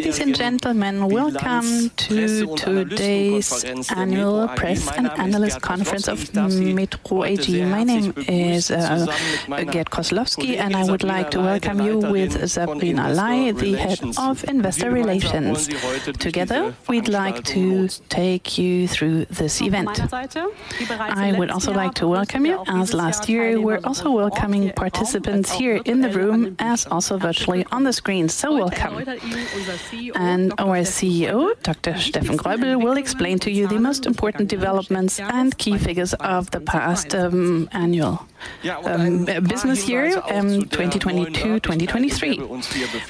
Ladies and gentlemen, welcome to today's annual press and analyst conference of METRO AG. My name is Gerd Koslowski, and I would like to welcome you with Sabrina Ley, the head of investor relations. Together, we'd like to take you through this event. I would also like to welcome you. As last year, we're also welcoming participants here in the room, as also virtually on the screen. So welcome. And our CEO, Dr. Steffen Greubel, will explain to you the most important developments and key figures of the past annual business year 2022, 2023.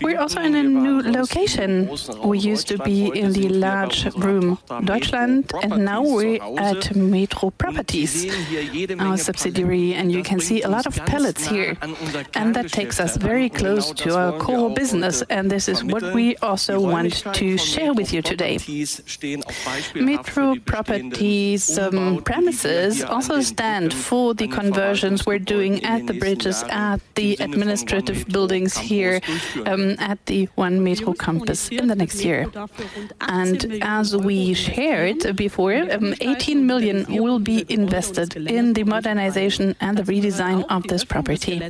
We're also in a new location. We used to be in the large room, Deutschland, and now we're at METRO Properties, our subsidiary, and you can see a lot of pallets here, and that takes us very close to our core business, and this is what we also want to share with you today. METRO Properties premises also stand for the conversions we're doing at the bridges, at the administrative buildings here, at the One METRO Campus in the next year. As we shared before, 18 million will be invested in the modernization and the redesign of this property.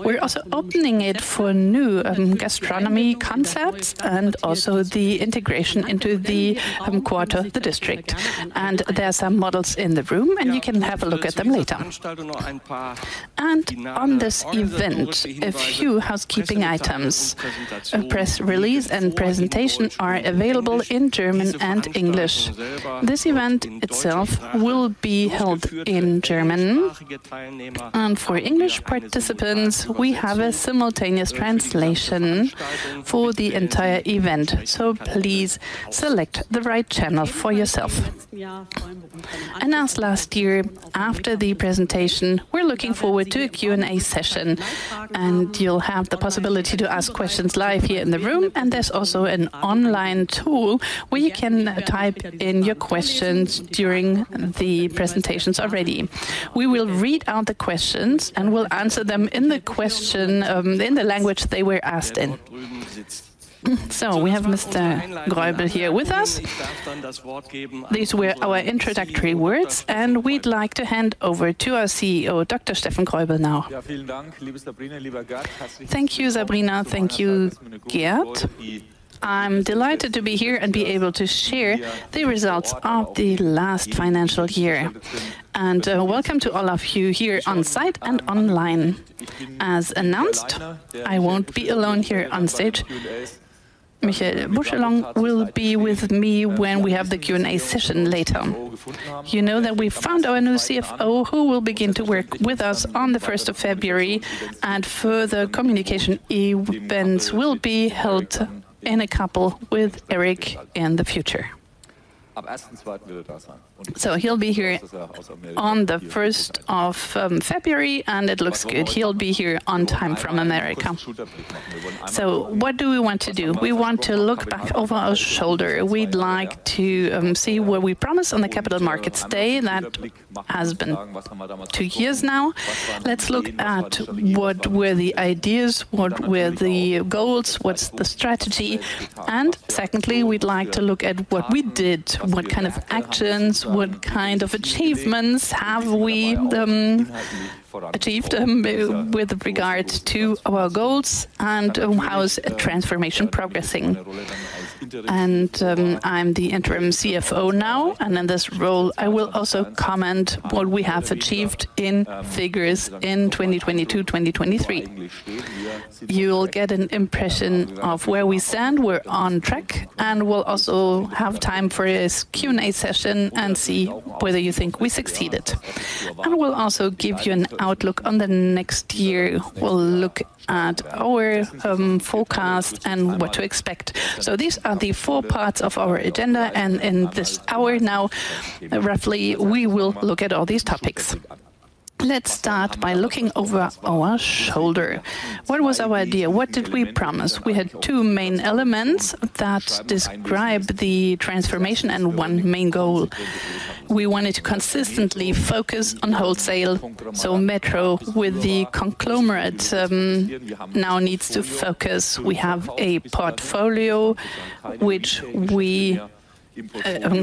We're also opening it for new gastronomy concepts and also the integration into the quarter, the district. There are some models in the room, and you can have a look at them later. On this event, a few housekeeping items. A press release and presentation are available in German and English. This event itself will be held in German, and for English participants, we have a simultaneous translation for the entire event, so please select the right channel for yourself. As last year, after the presentation, we're looking forward to a Q&A session, and you'll have the possibility to ask questions live here in the room, and there's also an online tool where you can type in your questions during the presentations already. We will read out the questions, and we'll answer them in the question, in the language they were asked in. We have Mr. Greubel here with us. These were our introductory words, and we'd like to hand over to our CEO, Dr. Steffen Greubel, now. Thank you, Sabrina. Thank you, Gerd. I'm delighted to be here and be able to share the results of the last financial year. Welcome to all of you here on site and online. As announced, I won't be alone here on stage. Michael Bouscheljong will be with me when we have the Q&A session later. You know that we found our new CFO, who will begin to work with us on the first of February, and further communication events will be held in a couple with Eric in the future. So he'll be here on the first of February, and it looks good. He'll be here on time from America. So what do we want to do? We want to look back over our shoulder. We'd like to see what we promised on the Capital Markets Day. That has been two years now. Let's look at what were the ideas, what were the goals, what's the strategy? And secondly, we'd like to look at what we did, what kind of actions, what kind of achievements have we achieved with regards to our goals, and how is transformation progressing? And I'm the interim CFO now, and in this role, I will also comment what we have achieved in figures in 2022, 2023. You'll get an impression of where we stand. We're on track, and we'll also have time for a Q&A session and see whether you think we succeeded. And we'll also give you an outlook on the next year. We'll look at our forecast and what to expect. So these are the four parts of our agenda, and in this hour now, roughly, we will look at all these topics. Let's start by looking over our shoulder. What was our idea? What did we promise? We had two main elements that described the transformation and one main goal. We wanted to consistently focus on wholesale, so METRO, with the conglomerate, now needs to focus. We have a portfolio which we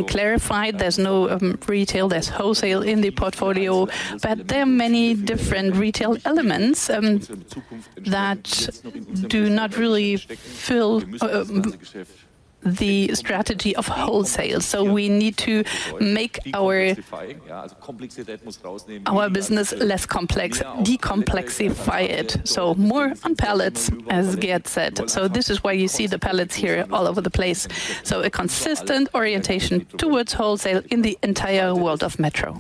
clarified. There's no retail, there's wholesale in the portfolio, but there are many different retail elements that do not really fill the strategy of wholesale. So we need to make our business less complex, decomplexify it. So more on pallets, as Gerd said. So this is why you see the pallets here all over the place. So a consistent orientation towards wholesale in the entire world of METRO.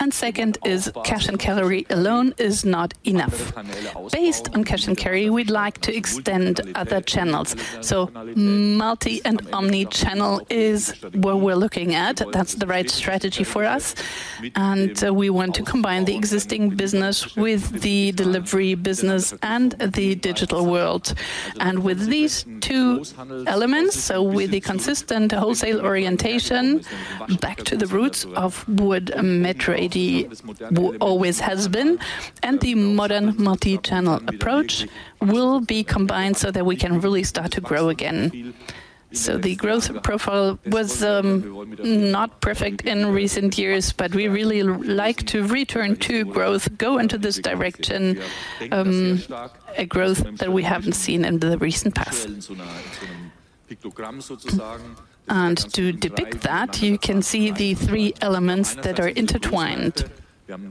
And second is, cash and carry alone is not enough. Based on cash and carry, we'd like to extend other channels. So multi and omni-channel is what we're looking at. That's the right strategy for us, and we want to combine the existing business with the delivery business and the digital world. And with these two elements, so with the consistent wholesale orientation, back to the roots of what METRO AG always has been, and the modern multi-channel approach, will be combined so that we can really start to grow again.... So the growth profile was not perfect in recent years, but we really like to return to growth, go into this direction, a growth that we haven't seen in the recent past. And to depict that, you can see the three elements that are intertwined.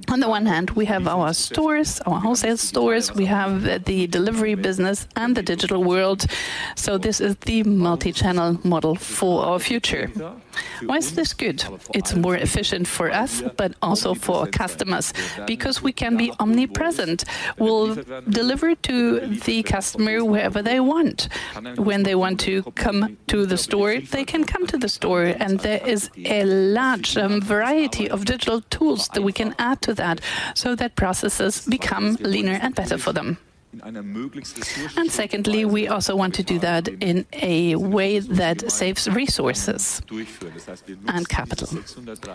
On the one hand, we have our stores, our wholesale stores, we have the delivery business and the digital world. So this is the multi-channel model for our future. Why is this good? It's more efficient for us, but also for our customers, because we can be omnipresent. We'll deliver to the customer wherever they want. When they want to come to the store, they can come to the store, and there is a large, variety of digital tools that we can add to that, so that processes become leaner and better for them. And secondly, we also want to do that in a way that saves resources and capital.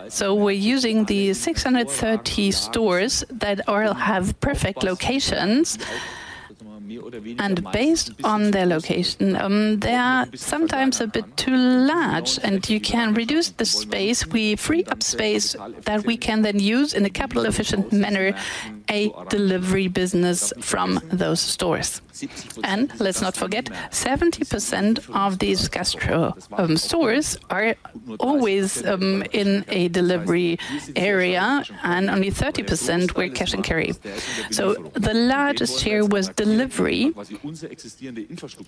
So we're using the 630 stores that all have perfect locations, and based on their location, they are sometimes a bit too large, and you can reduce the space. We free up space that we can then use in a capital efficient manner, a delivery business from those stores. Let's not forget, 70% of these gastro stores are always in a delivery area, and only 30% were cash and carry. So the largest share was delivery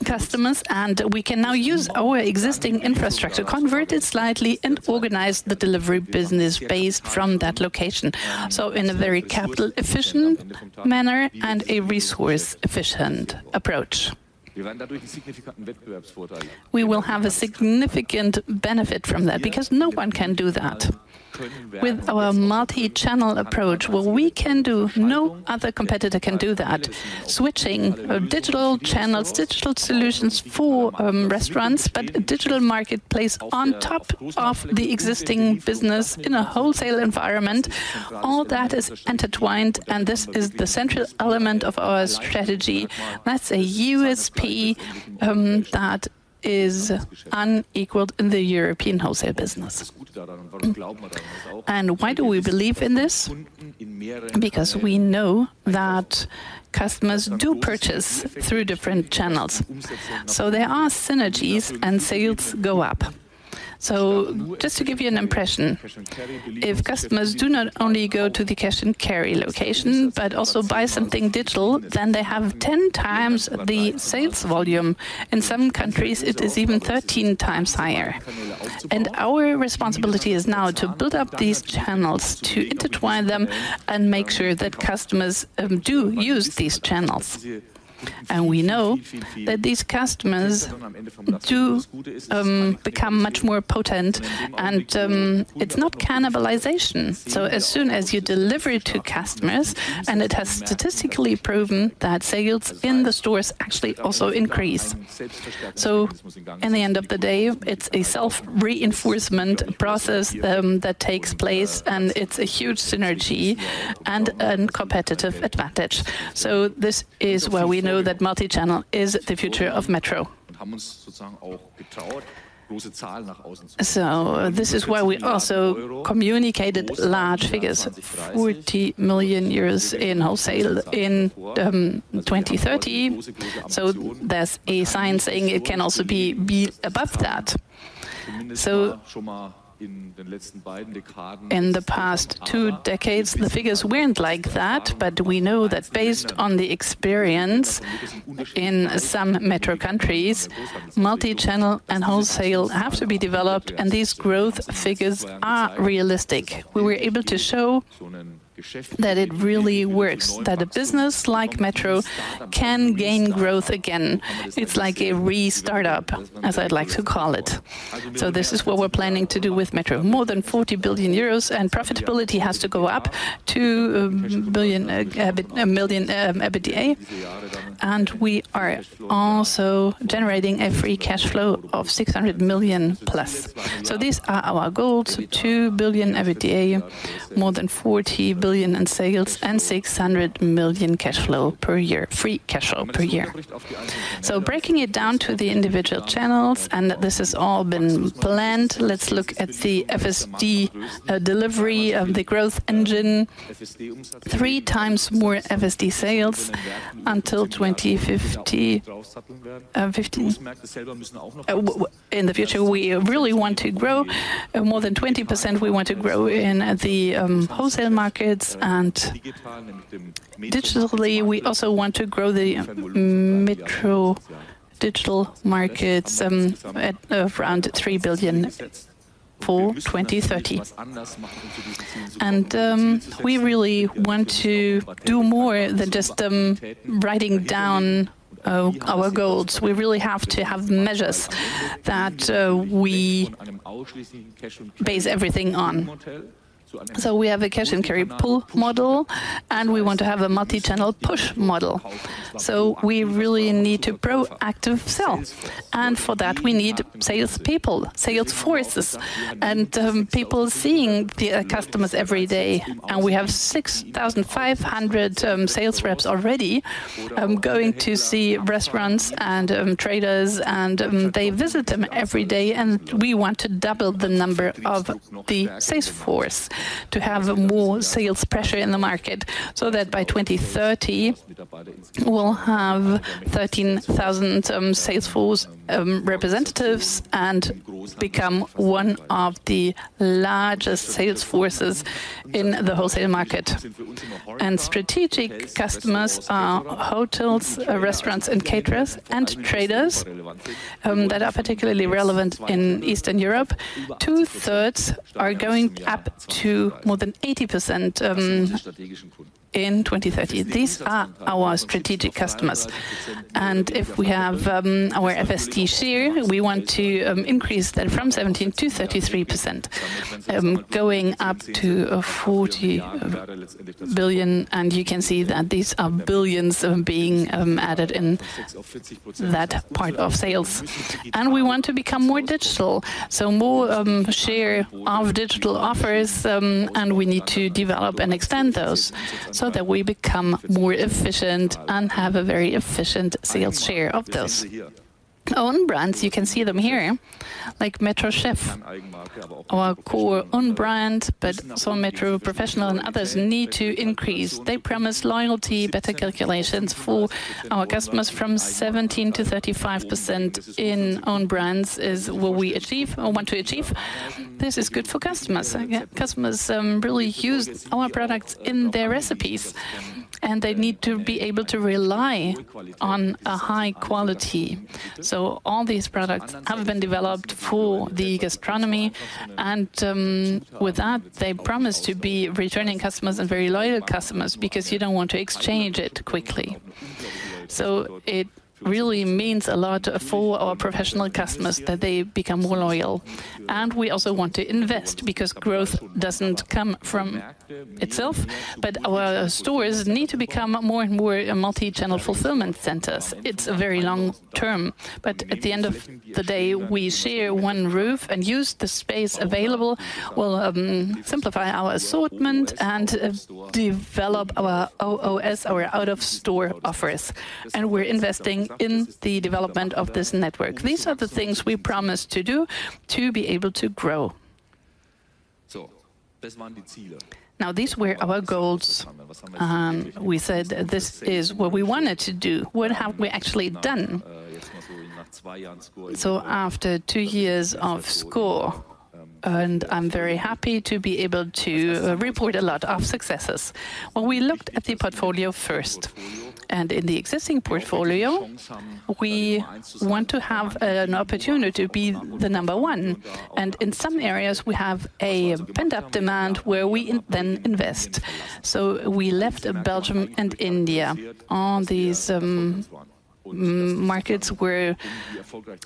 customers, and we can now use our existing infrastructure, convert it slightly, and organize the delivery business based from that location. So in a very capital efficient manner and a resource efficient approach. We will have a significant benefit from that, because no one can do that. With our multi-channel approach, what we can do, no other competitor can do that. Switching digital channels, digital solutions for restaurants, but a digital marketplace on top of the existing business in a wholesale environment, all that is intertwined, and this is the central element of our strategy. That's a USP that is unequaled in the European wholesale business. Why do we believe in this? Because we know that customers do purchase through different channels. So there are synergies and sales go up. So just to give you an impression, if customers do not only go to the Cash and Carry location, but also buy something digital, then they have 10 times the sales volume. In some countries, it is even 13 times higher. And our responsibility is now to build up these channels, to intertwine them, and make sure that customers do use these channels. And we know that these customers do become much more potent, and it's not cannibalization. So as soon as you deliver it to customers, and it has statistically proven that sales in the stores actually also increase. So in the end of the day, it's a self-reinforcement process that takes place, and it's a huge synergy and a competitive advantage. So this is where we know that multi-channel is the future of Metro. So this is why we also communicated large figures, 40 million euros in wholesale in 2030. So there's a sign saying it can also be above that. So, in the past two decades, the figures weren't like that, but we know that based on the experience in some Metro countries, multi-channel and wholesale have to be developed, and these growth figures are realistic. We were able to show that it really works, that a business like Metro can gain growth again. It's like a restart-up, as I'd like to call it. So this is what we're planning to do with Metro. More than 40 billion euros and profitability has to go up to a billion, a million EBITDA, and we are also generating a free cash flow of 600 million plus. So these are our goals, two billion EBITDA, more than 40 billion in sales, and 600 million cash flow per year, free cash flow per year. So breaking it down to the individual channels, and this has all been planned, let's look at the FSD, delivery of the growth engine. 3 times more FSD sales until 2050. In the future, we really want to grow more than 20%. We want to grow in the wholesale markets, and digitally, we also want to grow the METRO Digital markets at around 3 billion for 2030. We really want to do more than just writing down our goals. We really have to have measures that we base everything on. We have a cash-and-carry pull model, and we want to have a multi-channel push model. We really need to proactive sell, and for that, we need sales people, sales forces, and people seeing the customers every day. We have 6,500 sales reps already going to see restaurants and traders, and they visit them every day, and we want to double the number of the sales force to have more sales pressure in the market, so that by 2030, we'll have 13,000 sales force representatives and become one of the largest sales forces in the wholesale market. Strategic customers are hotels, restaurants, and caterers, and traders that are particularly relevant in Eastern Europe. Two-thirds are going up to more than 80% in 2030. These are our strategic customers. If we have our FSD share, we want to increase that from 17% to 33%, going up to 40 billion, and you can see that these are billions being added in that part of sales. We want to become more digital, so more share of digital offers, and we need to develop and extend those so that we become more efficient and have a very efficient sales share of those. Own brands, you can see them here, like METRO Chef, our core own brand, but so METRO Professional and others need to increase. They promise loyalty, better calculations for our customers from 17%-35% in own brands is what we achieve or want to achieve. This is good for customers. Yeah, customers really use our products in their recipes, and they need to be able to rely on a high quality. So all these products have been developed for the gastronomy, and with that, they promise to be returning customers and very loyal customers because you don't want to exchange it quickly. So it really means a lot for our professional customers that they become more loyal. And we also want to invest, because growth doesn't come from itself, but our stores need to become more and more Multi-Channel Fulfillment Centers. It's a very long term, but at the end of the day, we share one roof and use the space available. We'll simplify our assortment and develop our OOS, our out-of-store offers, and we're investing in the development of this network. These are the things we promise to do to be able to grow. Now, these were our goals. We said this is what we wanted to do. What have we actually done? So after two years of sCore, and I'm very happy to be able to report a lot of successes. When we looked at the portfolio first, and in the existing portfolio, we want to have an opportunity to be the number one. And in some areas, we have a pent-up demand where we then invest. So we left Belgium and India. All these markets were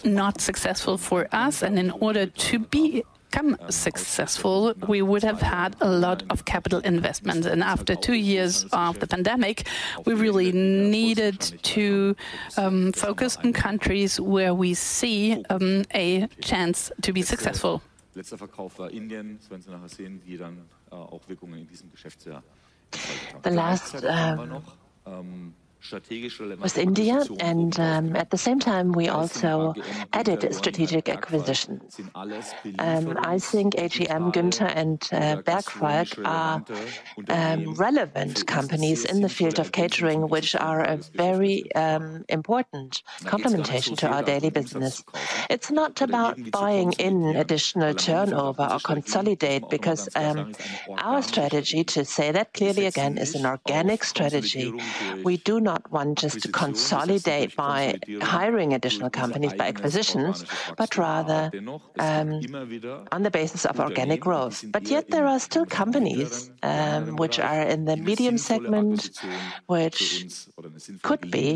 not successful for us, and in order to become successful, we would have had a lot of capital investment. After two years of the pandemic, we really needed to focus on countries where we see a chance to be successful. The last was India, and at the same time, we also added a strategic acquisition. I think AGM, Günther, and Bergfalk are relevant companies in the field of catering, which are a very important complementation to our daily business. It's not about buying in additional turnover or consolidate, because our strategy, to say that clearly again, is an organic strategy. We do not want just to consolidate by hiring additional companies by acquisitions, but rather on the basis of organic growth. But yet there are still companies which are in the medium segment, which could be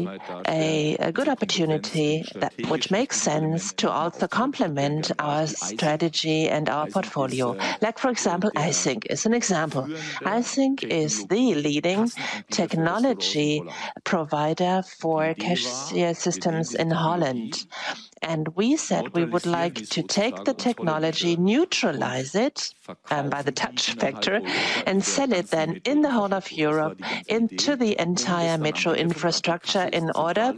a good opportunity which makes sense to also complement our strategy and our portfolio. Like, for example, Eijsink is an example. Eijsink is the leading technology provider for cashier systems in Holland. And we said we would like to take the technology, neutralize it, by the Dutch factor, and sell it then in the whole of Europe, into the entire METRO infrastructure, in order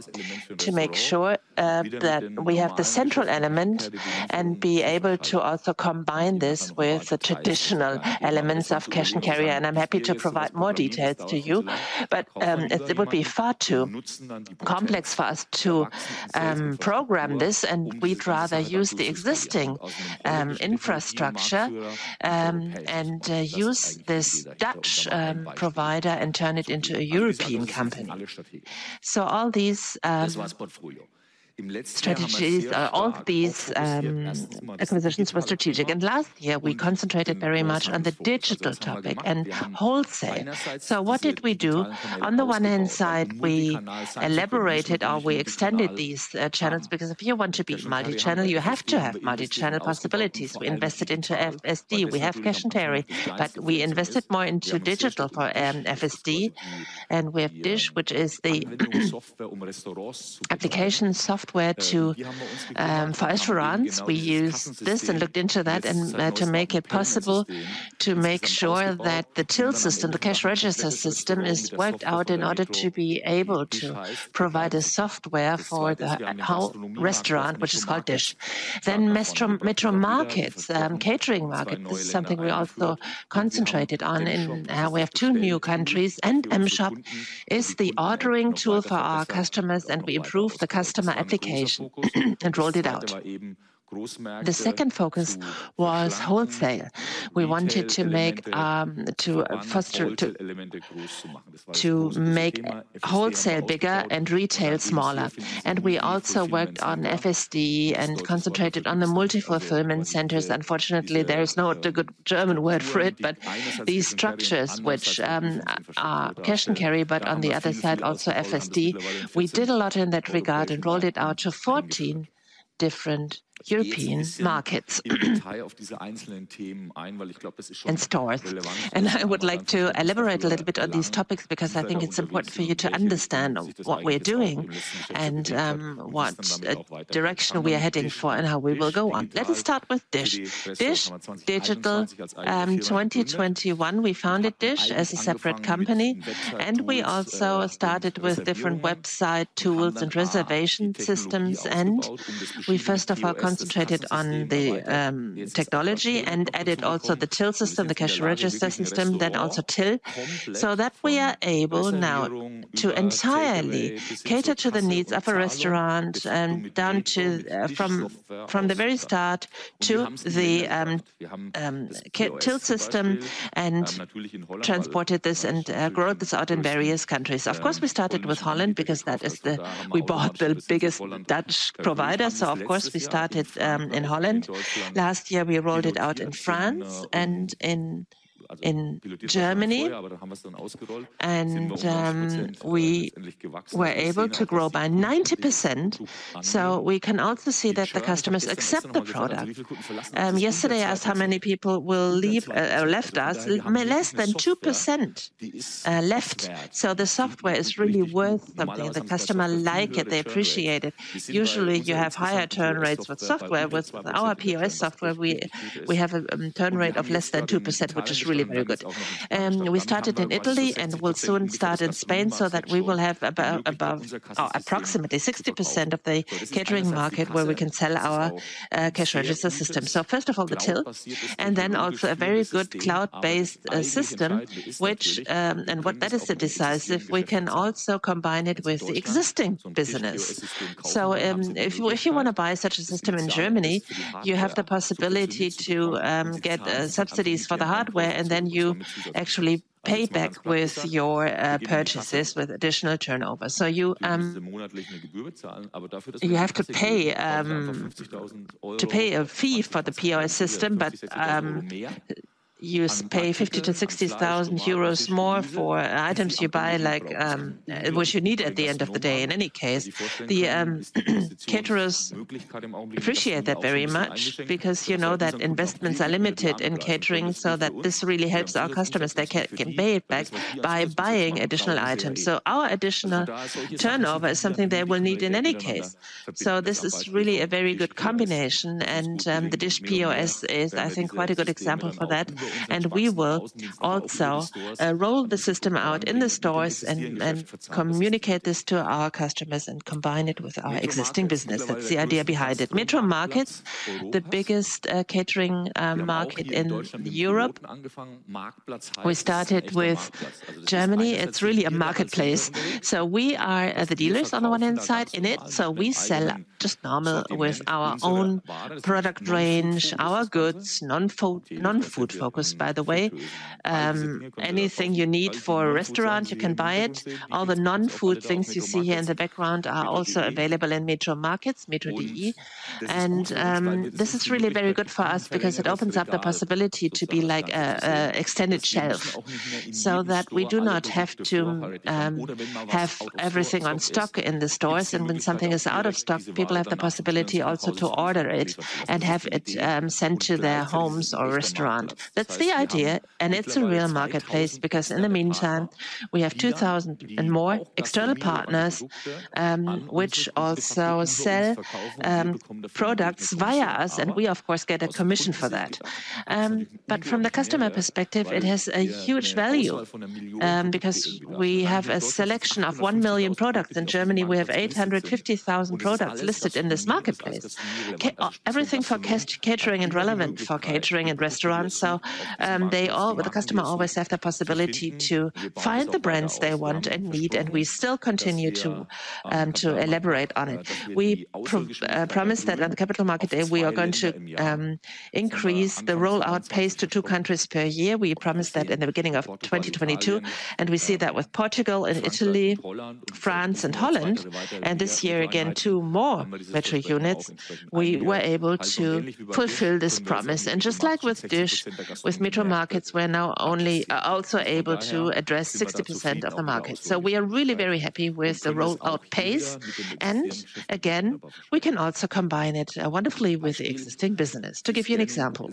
to make sure, that we have the central element and be able to also combine this with the traditional elements of cash and carry. And I'm happy to provide more details to you, but, it, it would be far too complex for us to, program this, and we'd rather use the existing, infrastructure, and, use this Dutch, provider and turn it into a European company. So all these, ... strategies, all these acquisitions were strategic. Last year, we concentrated very much on the digital topic and wholesale. So what did we do? On the one hand side, we elaborated or we extended these channels, because if you want to be multi-channel, you have to have multi-channel possibilities. We invested into FSD. We have cash and carry, but we invested more into digital for FSD, and we have DISH, which is the application software to for restaurants. We used this and looked into that, and to make it possible to make sure that the till system, the cash register system, is worked out in order to be able to provide a software for the whole restaurant, which is called DISH. Then METRO Markets, catering market. This is something we also concentrated on, and we have two new countries, and M-Shop is the ordering tool for our customers, and we improved the customer application and rolled it out. The second focus was wholesale. We wanted to make, to foster, to make wholesale bigger and retail smaller. And we also worked on FSD and concentrated on the multi-channel fulfillment centers. Unfortunately, there is not a good German word for it, but these structures which are cash and carry, but on the other side, also FSD. We did a lot in that regard and rolled it out to 14 different European markets, and stores. And I would like to elaborate a little bit on these topics because I think it's important for you to understand what we're doing and what direction we are heading for and how we will go on. Let us start with DISH. DISH Digital, 2021, we founded DISH as a separate company, and we also started with different website tools and reservation systems, and we first of all concentrated on the technology and added also the till system, the cash register system, then also till, so that we are able now to entirely cater to the needs of a restaurant and down to from the very start to the till system and transported this and grow this out in various countries. Of course, we started with Holland because that is we bought the biggest Dutch provider, so of course, we started in Holland. Last year, we rolled it out in France and in Germany, and we were able to grow by 90%. So we can also see that the customers accept the product. Yesterday, I asked how many people will leave, left us. Less than 2%, left. So the software is really worth something, and the customer like it, they appreciate it. Usually, you have higher turn rates with software. With our POS software, we have a turn rate of less than 2%, which is really very good. We started in Italy and will soon start in Spain so that we will have about approximately 60% of the catering market where we can sell our cash register system. So first of all, the till, and then also a very good cloud-based system, which, and what that is the decisive, we can also combine it with the existing business. So, if you want to buy such a system in Germany, you have the possibility to get subsidies for the hardware, and then you actually pay back with your purchases with additional turnover. So you have to pay a fee for the POS system, but you pay 50,000-60,000 euros more for items you buy, like which you need at the end of the day. In any case, the caterers appreciate that very much because you know that investments are limited in catering, so that this really helps our customers. They can pay it back by buying additional items. So our additional turnover is something they will need in any case. So this is really a very good combination, and the DISH POS is, I think, quite a good example for that. We will also roll the system out in the stores and communicate this to our customers and combine it with our existing business. That's the idea behind it. METRO Markets, the biggest catering market in Europe. We started with Germany. It's really a marketplace. So we are the dealers on the one hand side in it, so we sell just normal with our own product range, our goods, non-food, non-food focused, by the way. Anything you need for a restaurant, you can buy it. All the non-food things you see here in the background are also available in METRO Markets, Metro.de. This is really very good for us because it opens up the possibility to be like a extended shelf, so that we do not have to have everything on stock in the stores. When something is out of stock, people have the possibility also to order it and have it sent to their homes or restaurant. That's the idea, and it's a real marketplace because in the meantime, we have 2,000+ external partners which also sell products via us, and we, of course, get a commission for that. But from the customer perspective, it has a huge value because we have a selection of 1,000,000 products. In Germany, we have 850,000 products listed in this marketplace. Okay, everything for cash-and-carry and relevant for catering and restaurants. So, the customer always have the possibility to find the brands they want and need, and we still continue to elaborate on it. We promise that on the Capital Markets Day, we are going to increase the rollout pace to two countries per year. We promised that in the beginning of 2022, and we see that with Portugal and Italy, France and Holland, and this year again, two more Metro units, we were able to fulfill this promise. Just like with DISH, with METRO Markets, we're now only also able to address 60% of the market. So we are really very happy with the rollout pace. Again, we can also combine it wonderfully with the existing business. To give you an example......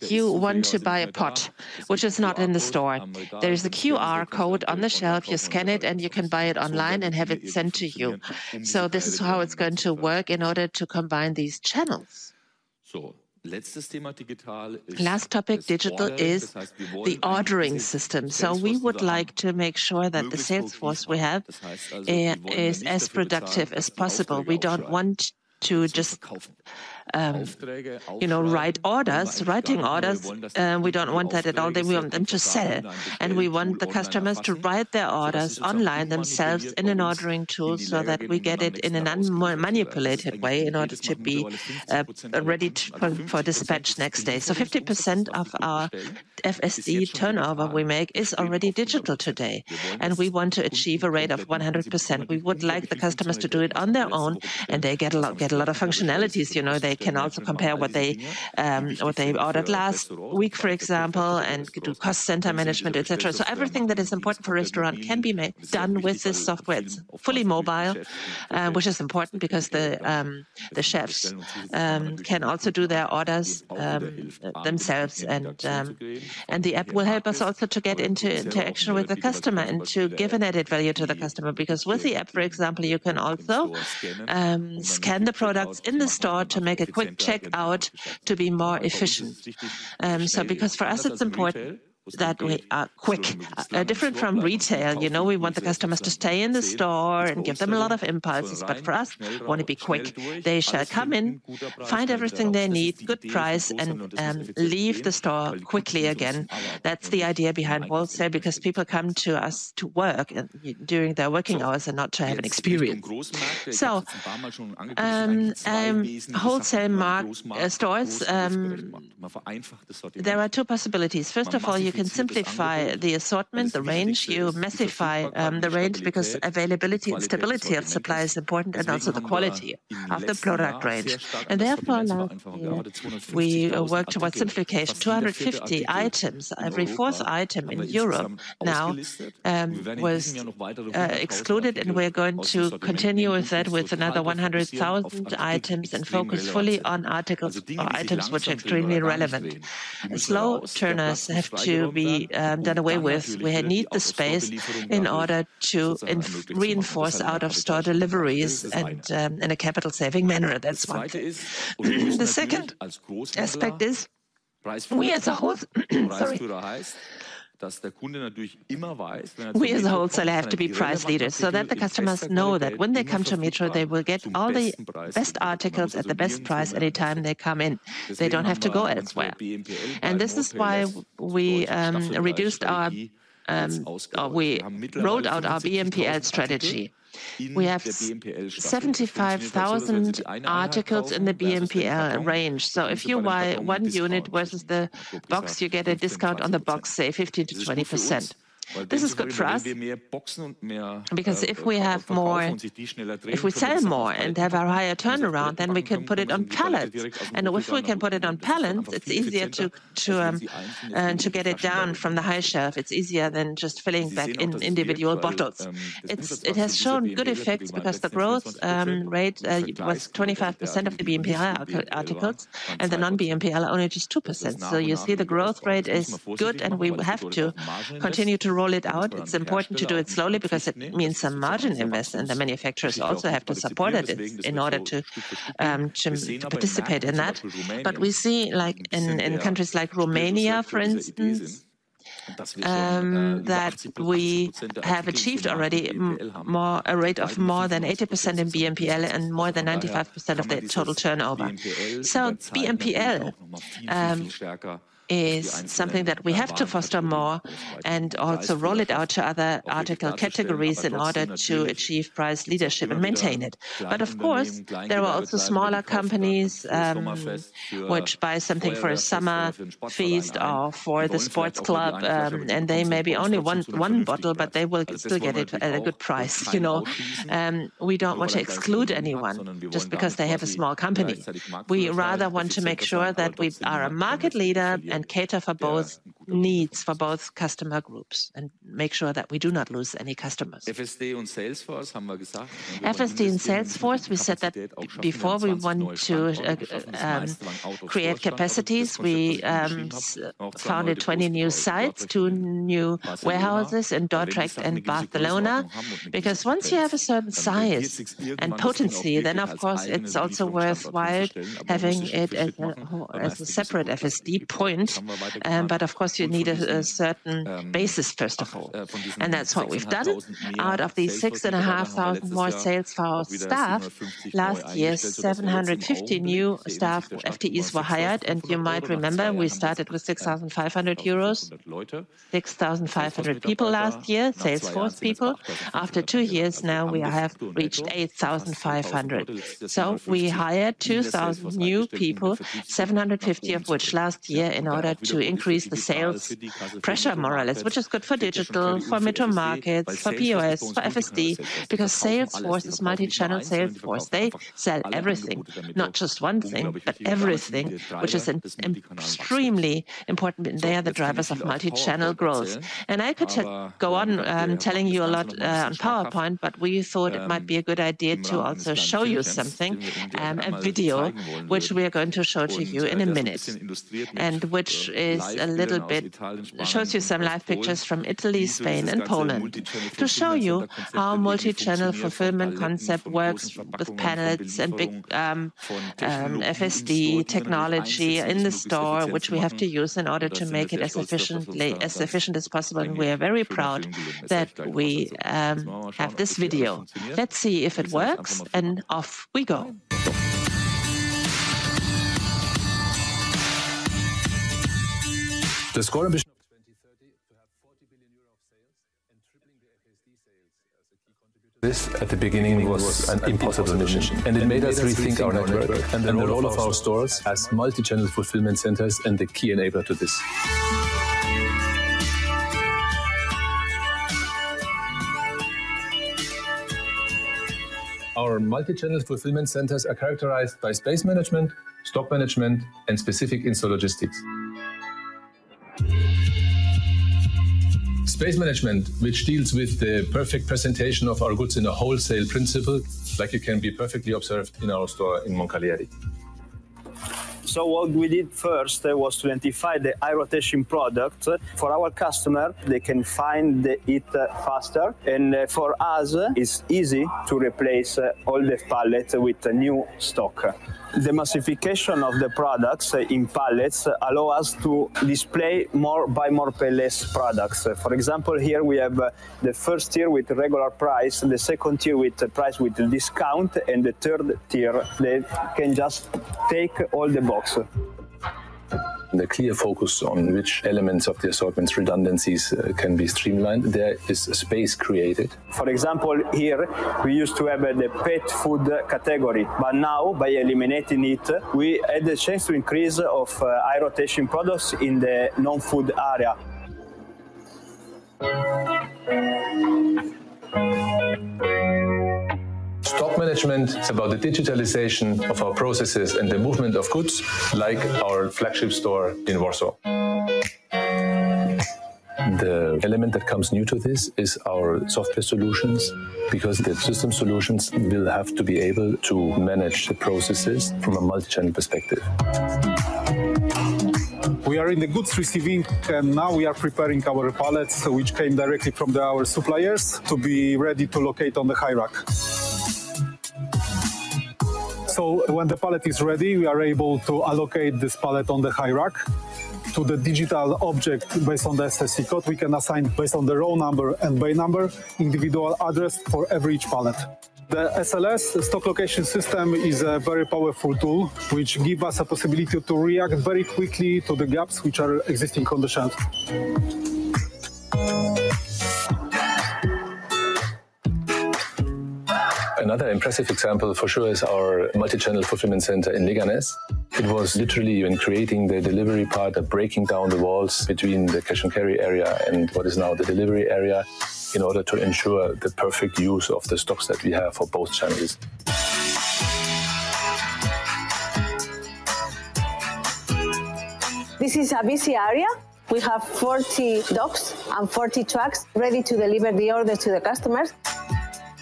You want to buy a pot which is not in the store. There is a QR code on the shelf, you scan it, and you can buy it online and have it sent to you. So this is how it's going to work in order to combine these channels. Last topic, digital, is the ordering system. We would like to make sure that the sales force we have is as productive as possible. We don't want to just, you know, write orders. Writing orders, we don't want that at all. We want them to sell, and we want the customers to write their orders online themselves in an ordering tool so that we get it in an unmanipulated way in order to be ready for dispatch next day. So 50% of our FSD turnover we make is already digital today, and we want to achieve a rate of 100%. We would like the customers to do it on their own, and they get a lot, get a lot of functionalities. You know, they can also compare what they ordered last week, for example, and do cost center management, et cetera. So everything that is important for restaurant can be done with this software. It's fully mobile, which is important because the chefs can also do their orders themselves. And the app will help us also to get into interaction with the customer and to give an added value to the customer. Because with the app, for example, you can also scan the products in the store to make a quick checkout to be more efficient. So because for us, it's important that we are quick. Different from retail, you know, we want the customers to stay in the store and give them a lot of impulses, but for us, we wanna be quick. They shall come in, find everything they need, good price, and leave the store quickly again. That's the idea behind wholesale, because people come to us to work during their working hours and not to have an experience. So, wholesale stores, there are two possibilities. First of all, you can simplify the assortment, the range. You massify the range because availability and stability of supply is important, and also the quality of the product range. And therefore, now we work towards simplification. 250 items, every fourth item in Europe now was excluded, and we're going to continue with that with another 100,000 items and focus fully on articles or items which are extremely relevant. Slow turners have to be done away with. We need the space in order to reinforce out-of-store deliveries and, in a capital-saving manner. That's one thing. The second aspect is we as a whole... Sorry. We as a wholesaler have to be price leaders so that the customers know that when they come to Metro, they will get all the best articles at the best price any time they come in. They don't have to go anywhere. And this is why we reduced our, we rolled out our BMPL strategy. We have 75,000 articles in the BMPL range. So if you buy one unit versus the box, you get a discount on the box, say 50%-20%. This is good for us, because if we sell more and have a higher turnaround, then we can put it on pallets. And if we can put it on pallets, it's easier to get it down from the high shelf. It's easier than just filling back in individual bottles. It has shown good effects because the growth rate was 25% of the BMPL articles, and the non-BMPL only just 2%. So you see the growth rate is good, and we will have to continue to roll it out. It's important to do it slowly because it means some margin investment. The manufacturers also have to support it in order to participate in that. But we see, like in countries like Romania, for instance, that we have achieved already more, a rate of more than 80% in BMPL and more than 95% of the total turnover. BMPL is something that we have to foster more and also roll it out to other article categories in order to achieve price leadership and maintain it. But of course, there are also smaller companies, which buy something for a summer feast or for the sports club, and they may be only one bottle, but they will still get it at a good price, you know? We don't want to exclude anyone just because they have a small company. We rather want to make sure that we are a market leader and cater for both needs, for both customer groups, and make sure that we do not lose any customers. FSD and sales force, we said that before we want to create capacities, we founded 20 new sites, two new warehouses in Dordrecht and Barcelona. Because once you have a certain size and potency, then of course it's also worthwhile having it at as a separate FSD point. But of course you need a certain basis, first of all, and that's what we've done. Out of the 6,500 more sales force staff, last year 750 new staff, FTEs, were hired. You might remember, we started with 6,500 euros, 6,500 people last year, sales force people. After two years, now we have reached 8,500. We hired 2,000 new people, 750 of which last year, in order to increase the sales pressure, more or less. Which is good for digital, for METRO Markets, for POS, for FSD, because sales force is multi-channel sales force. They sell everything. Not just one thing, but everything, which is an extremely important. They are the drivers of multi-channel growth. I could go on, telling you a lot, on PowerPoint, but we thought it might be a good idea to also show you something, a video, which we are going to show to you in a minute. Which shows you some live pictures from Italy, Spain, and Poland. To show you how our multi-channel fulfillment concept works with pallets and big, FSD technology in the store, which we have to use in order to make it as efficient as possible, and we are very proud that we have this video. Let's see if it works, and off we go.... The sCore ambition of 2030 to have EUR 40 billion of sales and tripling the FSD sales as a key contributor. This, at the beginning, was an impossible mission, and it made us rethink our network and the role of our stores as multi-channel fulfillment centers, and the key enabler to this. Our multi-channel fulfillment centers are characterized by space management, stock management, and specific in-store logistics. Space management, which deals with the perfect presentation of our goods in a wholesale principle, like it can be perfectly observed in our store in Moncalieri. So what we did first was to identify the high rotation products. For our customer, they can find it faster, and for us, it's easy to replace all the pallets with the new stock. The massification of the products in pallets allow us to display more, buy more, pay less products. For example, here we have the first tier with the regular price and the second tier with the price with the discount, and the third tier, they can just take all the box. The clear focus on which elements of the assortment redundancies can be streamlined. There is space created. For example, here, we used to have the pet food category, but now by eliminating it, we had the chance to increase of high rotation products in the non-food area. Stock management is about the digitalization of our processes and the movement of goods, like our flagship store in Warsaw. The element that comes new to this is our software solutions, because the system solutions will have to be able to manage the processes from a multi-channel perspective. We are in the goods receiving, and now we are preparing our pallets, which came directly from our suppliers, to be ready to locate on the high rack. So when the pallet is ready, we are able to allocate this pallet on the high rack. To the digital object, based on the SSCC code, we can assign, based on the row number and bay number, individual address for every each pallet. The SLS, the stock location system, is a very powerful tool, which give us a possibility to react very quickly to the gaps which are existing on the shelf. Another impressive example, for sure, is our Multi-Channel Fulfillment Center in Leganés. It was literally in creating the delivery part and breaking down the walls between the cash-and-carry area and what is now the delivery area, in order to ensure the perfect use of the stocks that we have for both channels. This is a busy area. We have 40 docks and 40 trucks ready to deliver the order to the customers.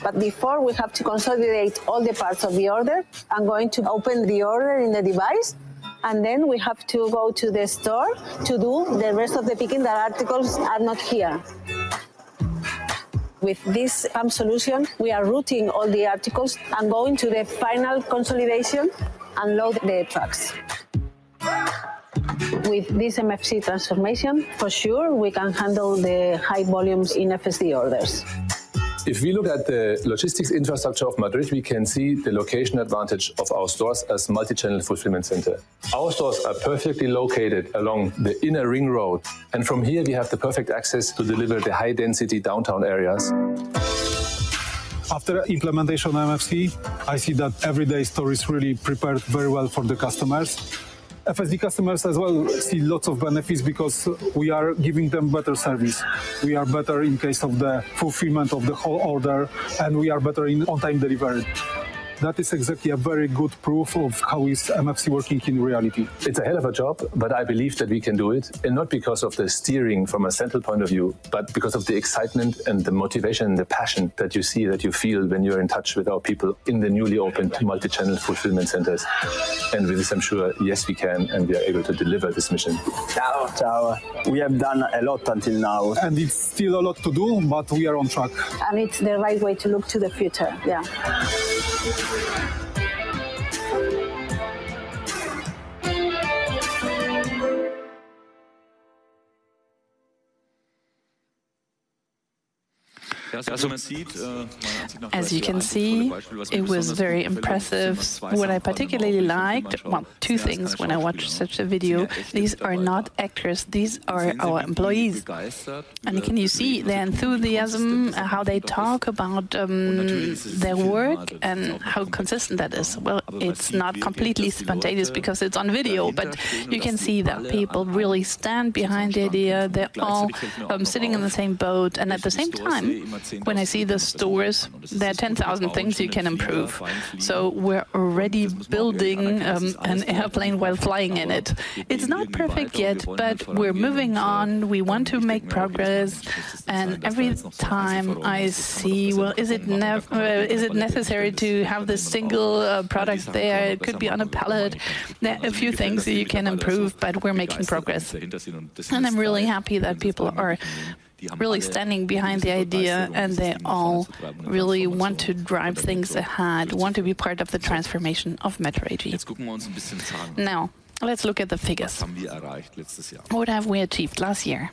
But before, we have to consolidate all the parts of the order. I'm going to open the order in the device, and then we have to go to the store to do the rest of the picking. The articles are not here. With this solution, we are routing all the articles and going to the final consolidation and load the trucks. With this MFC transformation, for sure, we can handle the high volumes in FSD orders. If we look at the logistics infrastructure of Madrid, we can see the location advantage of our stores as multi-channel fulfillment center. Our stores are perfectly located along the inner ring road, and from here, we have the perfect access to deliver the high-density downtown areas. After implementation of MFC, I see that everyday store is really prepared very well for the customers. FSD customers as well see lots of benefits because we are giving them better service. We are better in case of the fulfillment of the whole order, and we are better in on-time delivery. That is exactly a very good proof of how is MFC working in reality. It's a hell of a job, but I believe that we can do it, and not because of the steering from a central point of view, but because of the excitement and the motivation and the passion that you see, that you feel when you're in touch with our people in the newly opened multi-channel fulfillment centers. With this, I'm sure, yes, we can, and we are able to deliver this mission. Ciao. Ciao. We have done a lot until now. It's still a lot to do, but we are on track. It's the right way to look to the future. Yeah. As you can see, it was very impressive. What I particularly liked... Well, two things when I watch such a video, these are not actors, these are our employees. And can you see the enthusiasm, how they talk about their work, and how consistent that is? Well, it's not completely spontaneous because it's on video, but you can see that people really stand behind the idea. They're all sitting in the same boat, and at the same time, when I see the stores, there are 10,000 things you can improve. So we're already building an airplane while flying in it. It's not perfect yet, but we're moving on. We want to make progress, and every time I see, well, is it necessary to have this single product there? It could be on a pallet. There are a few things that you can improve, but we're making progress. And I'm really happy that people are really standing behind the idea, and they all really want to drive things ahead, want to be part of the transformation of Metro AG. Now, let's look at the figures. What have we achieved last year?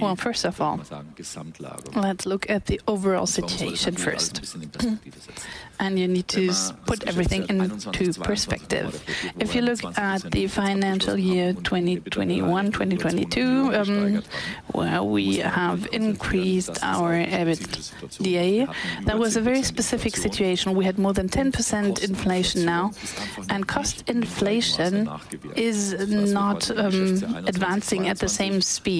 Well, first of all, let's look at the overall situation first. And you need to put everything into perspective. If you look at the financial year, 2021, 2022, well, we have increased our-... EBITDA. That was a very specific situation. We had more than 10% inflation now, and cost inflation is not advancing at the same speed.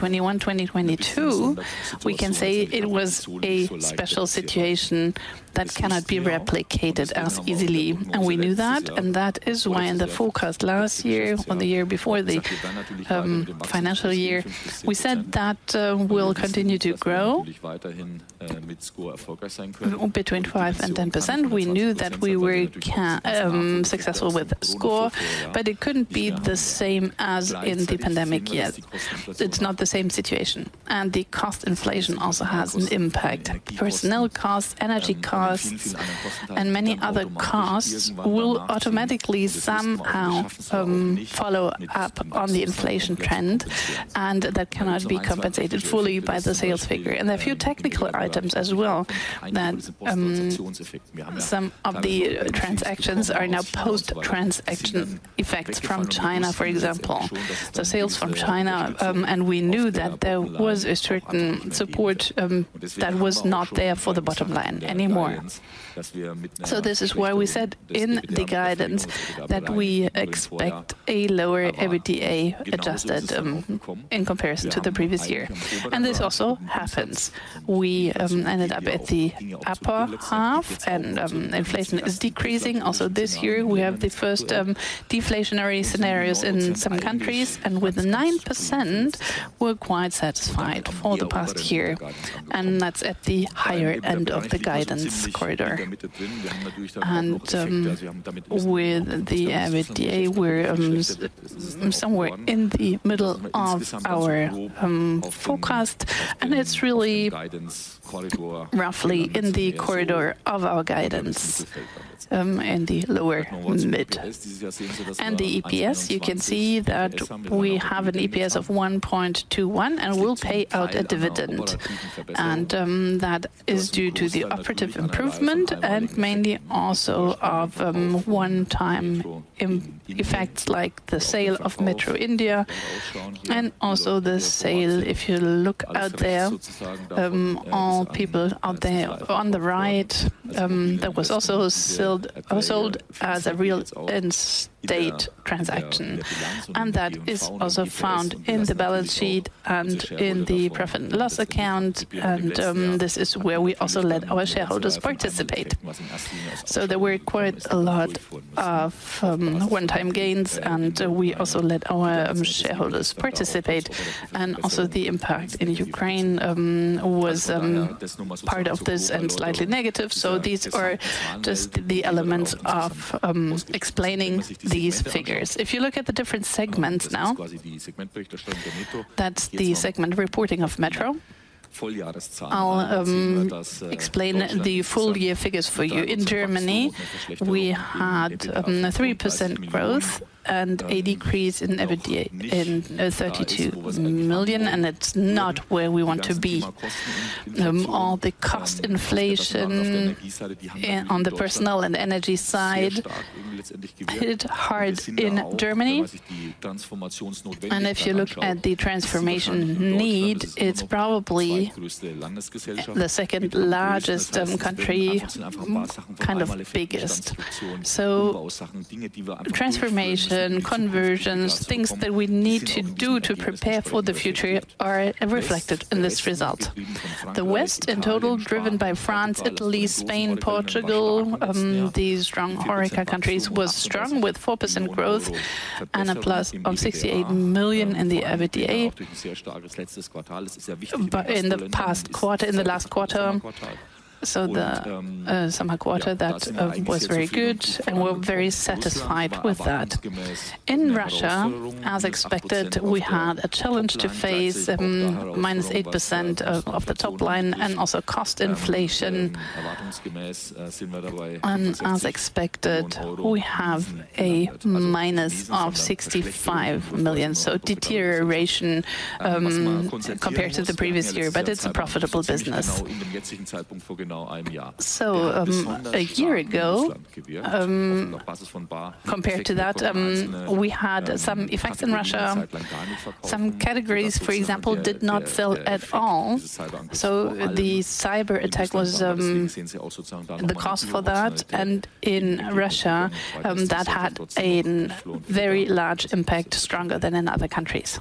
So in 2021, 2022, we can say it was a special situation that cannot be replicated as easily, and we knew that, and that is why in the forecast last year or the year before the financial year, we said that we'll continue to grow between 5%-10%. We knew that we were successful with the sCore, but it couldn't be the same as in the pandemic yet. It's not the same situation, and the cost inflation also has an impact. Personnel costs, energy costs, and many other costs will automatically somehow follow up on the inflation trend, and that cannot be compensated fully by the sales figure. A few technical items as well, that some of the transactions are now post-transaction effects from China, for example. So sales from China, and we knew that there was a certain support that was not there for the bottom line anymore. So this is why we said in the guidance that we expect a lower EBITDA adjusted in comparison to the previous year. And this also happens. We ended up at the upper half and inflation is decreasing. Also, this year, we have the first deflationary scenarios in some countries, and with 9%, we're quite satisfied for the past year, and that's at the higher end of the guidance corridor. And with the EBITDA, we're somewhere in the middle of our forecast, and it's really roughly in the corridor of our guidance, in the lower mid. And the EPS, you can see that we have an EPS of 1.21, and we'll pay out a dividend. And that is due to the operative improvement and mainly also of one-time effects, like the sale of METRO India and also the sale, if you look out there, all people out there on the right, that was also sold, sold as a real estate transaction. And that is also found in the balance sheet and in the profit and loss account. And this is where we also let our shareholders participate. So there were quite a lot of one-time gains, and we also let our shareholders participate. And also, the impact in Ukraine was part of this and slightly negative. So these are just the elements of explaining these figures. If you look at the different segments now, that's the segment reporting of Metro. I'll explain the full year figures for you. In Germany, we had 3% growth and a decrease in EBITDA of 32 million, and that's not where we want to be. All the cost inflation on the personnel and energy side hit hard in Germany. And if you look at the transformation need, it's probably the second largest country, kind of biggest. So transformation, conversions, things that we need to do to prepare for the future are reflected in this result. The West, in total, driven by France, Italy, Spain, Portugal, these strong HoReCa countries, was strong, with 4% growth and a plus of 68 million in the EBITDA. But in the past quarter—in the last quarter, so the summer quarter, that was very good, and we're very satisfied with that. In Russia, as expected, we had a challenge to face, -8% of the top line and also cost inflation. As expected, we have a -65 million, so deterioration compared to the previous year, but it's a profitable business. So a year ago, compared to that, we had some effects in Russia. Some categories, for example, did not sell at all. So the cyberattack was the cause for that, and in Russia, that had a very large impact, stronger than in other countries.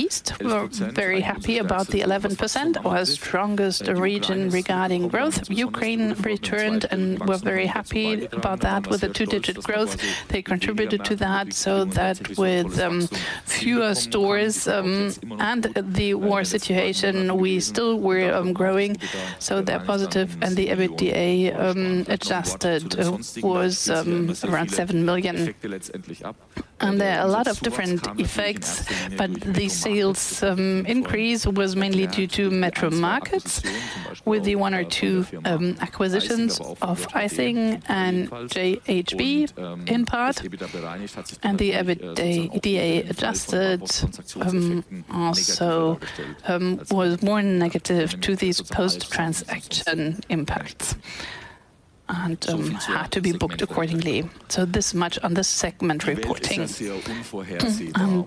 East, we're very happy about the 11%, our strongest region regarding growth. Ukraine returned, and we're very happy about that. With a two-digit growth, they contributed to that, so that with fewer stores and the war situation, we still were growing, so they're positive and the EBITDA adjusted was around 7 million. There are a lot of different effects, but the sales increase was mainly due to METRO Markets, with the 1 or 2 acquisitions of Eijsink and AGM in part, and the EBITDA adjusted also was more negative to these post-transaction impacts. ... and had to be booked accordingly. So this much on the segment reporting.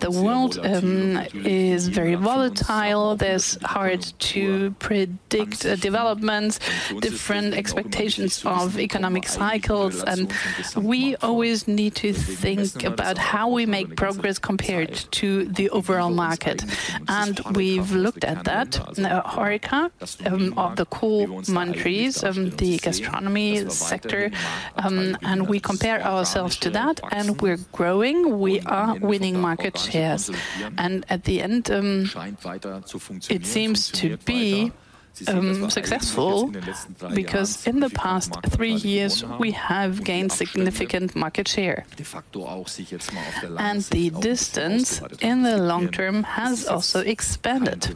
The world is very volatile. There's hard to predict developments, different expectations of economic cycles, and we always need to think about how we make progress compared to the overall market. We've looked at that in our HoReCa of the core monopolies of the gastronomy sector, and we compare ourselves to that, and we're growing. We are winning market shares. At the end, it seems to be successful, because in the past three years, we have gained significant market share. The distance in the long term has also expanded.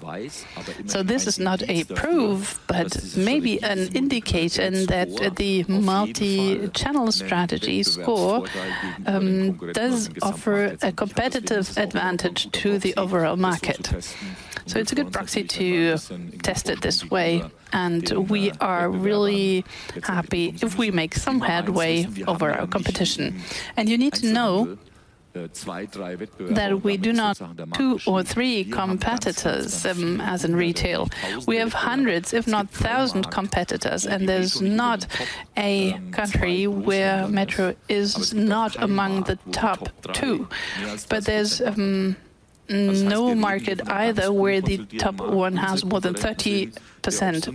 So this is not a proof, but maybe an indication that the multi-channel strategy sCore does offer a competitive advantage to the overall market. So it's a good proxy to test it this way, and we are really happy if we make some headway over our competition. And you need to know that we do not two or three competitors, as in retail. We have hundreds, if not thousand competitors, and there's not a country where Metro is not among the top two. But there's no market either, where the top one has more than 30%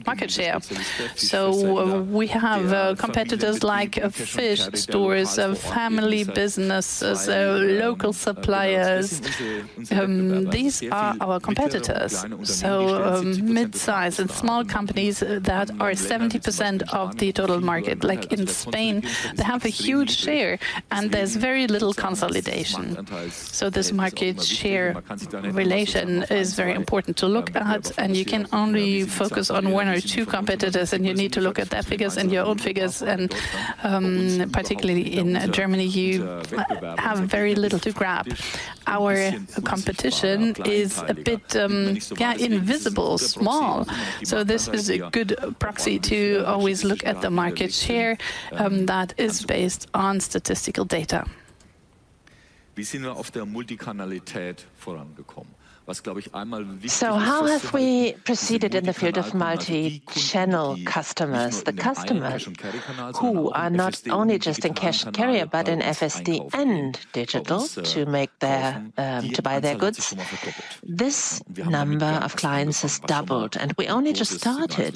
market share. So we have competitors like fish stores, family businesses, local suppliers. These are our competitors. So mid-size and small companies that are 70% of the total market. Like in Spain, they have a huge share, and there's very little consolidation. So this market share relation is very important to look at, and you can only focus on one or two competitors, and you need to look at their figures and your own figures. Particularly in Germany, you have very little to grab. Our competition is a bit, yeah, invisible, small. So this is a good proxy to always look at the market share, that is based on statistical data. So how have we proceeded in the field of multi-channel customers? The customer who are not only just in cash and carry, but in FSD and digital, to make their-- to buy their goods. This number of clients has doubled, and we only just started,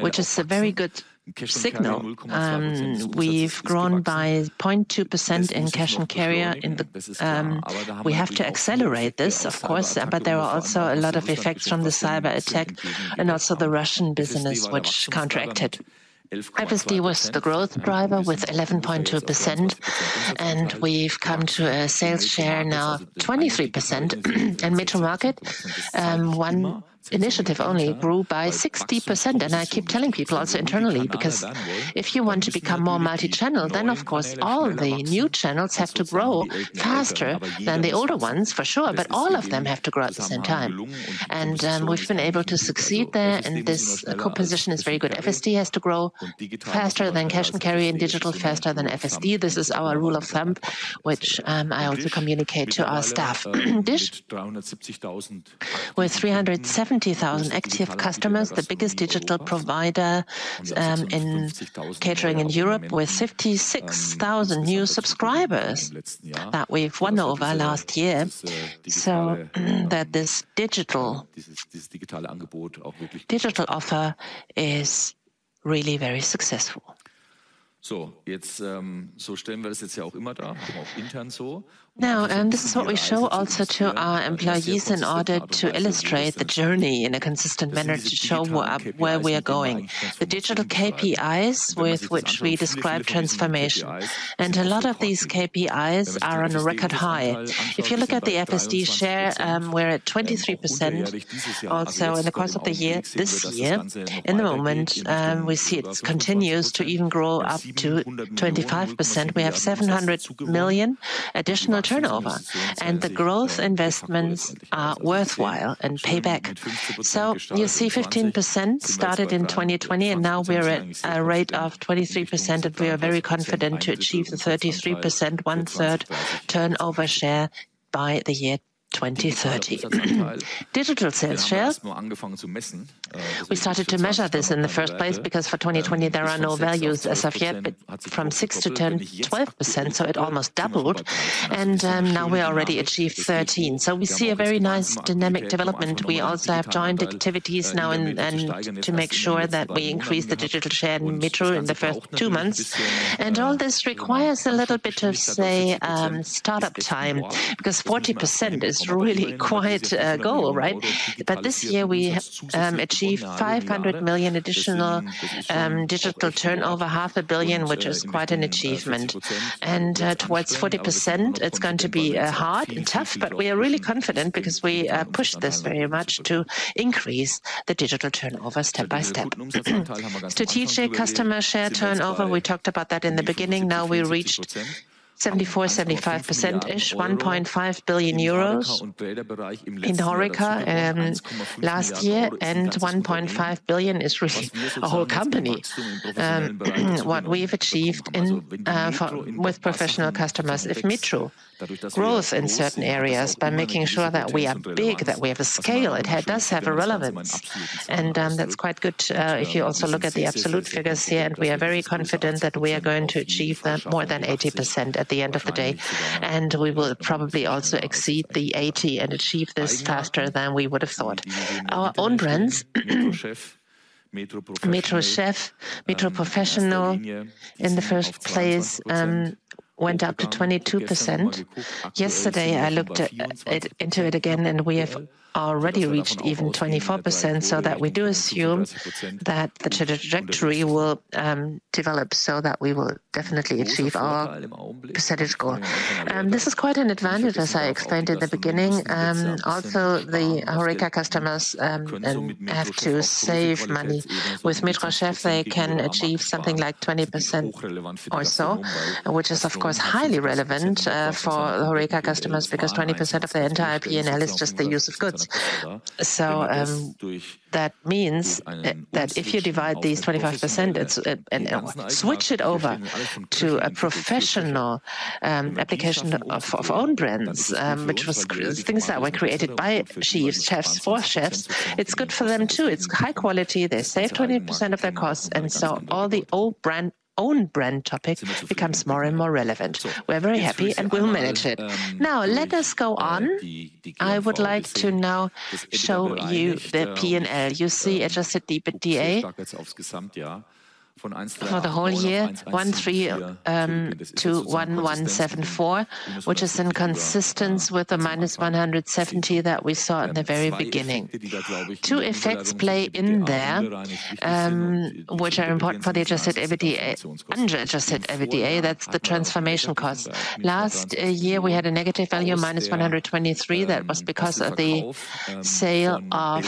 which is a very good signal. We've grown by 0.2% in cash and carry in the... We have to accelerate this, of course, but there are also a lot of effects from the cyberattack and also the Russian business, which contracted. FSD was the growth driver with 11.2%, and we've come to a sales share now, 23%. And METRO Markets, one initiative only grew by 60%. And I keep telling people also internally, because if you want to become more multi-channel, then of course, all the new channels have to grow faster than the older ones, for sure, but all of them have to grow at the same time. And, we've been able to succeed there, and this composition is very good. FSD has to grow faster than cash and carry, and digital faster than FSD. This is our rule of thumb, which, I also communicate to our staff. DISH, with 370,000 active customers, the biggest digital provider in catering in Europe, with 56,000 new subscribers that we've won over last year, so that this digital, digital offer is really very successful. Now, and this is what we show also to our employees in order to illustrate the journey in a consistent manner, to show where we are going. The digital KPIs with which we describe transformation, and a lot of these KPIs are on a record high. If you look at the FSD share, we're at 23%. Also, in the course of the year, this year, in the moment, we see it continues to even grow up to 25%. We have 700 million additional turnover, and the growth investments are worthwhile and pay back. So you see 15% started in 2020, and now we're at a rate of 23%, and we are very confident to achieve a 33%, one-third turnover share by the year 2030. Digital sales share, we started to measure this in the first place, because for 2020, there are no values as of yet, but from 6%-10%, 12%, so it almost doubled. And, now we already achieved 13%. So we see a very nice dynamic development. We also have joint activities now and to make sure that we increase the digital share in METRO in the first two months. And all this requires a little bit of, say, start-up time, because 40% is really quite a goal, right? But this year we achieved 500 million additional digital turnover, half a billion, which is quite an achievement. And towards 40%, it's going to be hard and tough, but we are really confident because we pushed this very much to increase the digital turnover step by step. Strategic customer share turnover, we talked about that in the beginning. Now, we reached eighty-four, seventy-five percent-ish, EUR 1.5 billion in HoReCa last year, and 1.5 billion is really a whole company. What we've achieved in with professional customers, if METRO grows in certain areas by making sure that we are big, that we have a scale, it does have a relevance, and that's quite good if you also look at the absolute figures here. We are very confident that we are going to achieve more than 80% at the end of the day, and we will probably also exceed the 80% and achieve this faster than we would have thought. Our own brands, METRO Chef, METRO Professional, in the first place, went up to 22%. Yesterday, I looked into it again, and we have already reached even 24%, so that we do assume that the trajectory will develop so that we will definitely achieve our percentage goal. This is quite an advantage, as I explained in the beginning. Also, the HoReCa customers have to save money. With METRO Chef, they can achieve something like 20% or so, which is, of course, highly relevant for HoReCa customers, because 20% of their entire P&L is just the use of goods. So, that means that if you divide these 25%, it's... And switch it over to a professional application of own brands, which were created by chefs for chefs, it's good for them, too. It's high quality. They save 20% of their costs, and so all the own brand topic becomes more and more relevant. We're very happy, and we'll manage it. Now, let us go on. I would like to now show you the P&L. You see adjusted EBITDA for the whole year, 1,300-1,174, which is in consistency with the -170 that we saw in the very beginning. Two effects play in there, which are important for the adjusted EBITDA-unadjusted EBITDA. That's the transformation cost. Last year, we had a negative value, -123. That was because of the sale of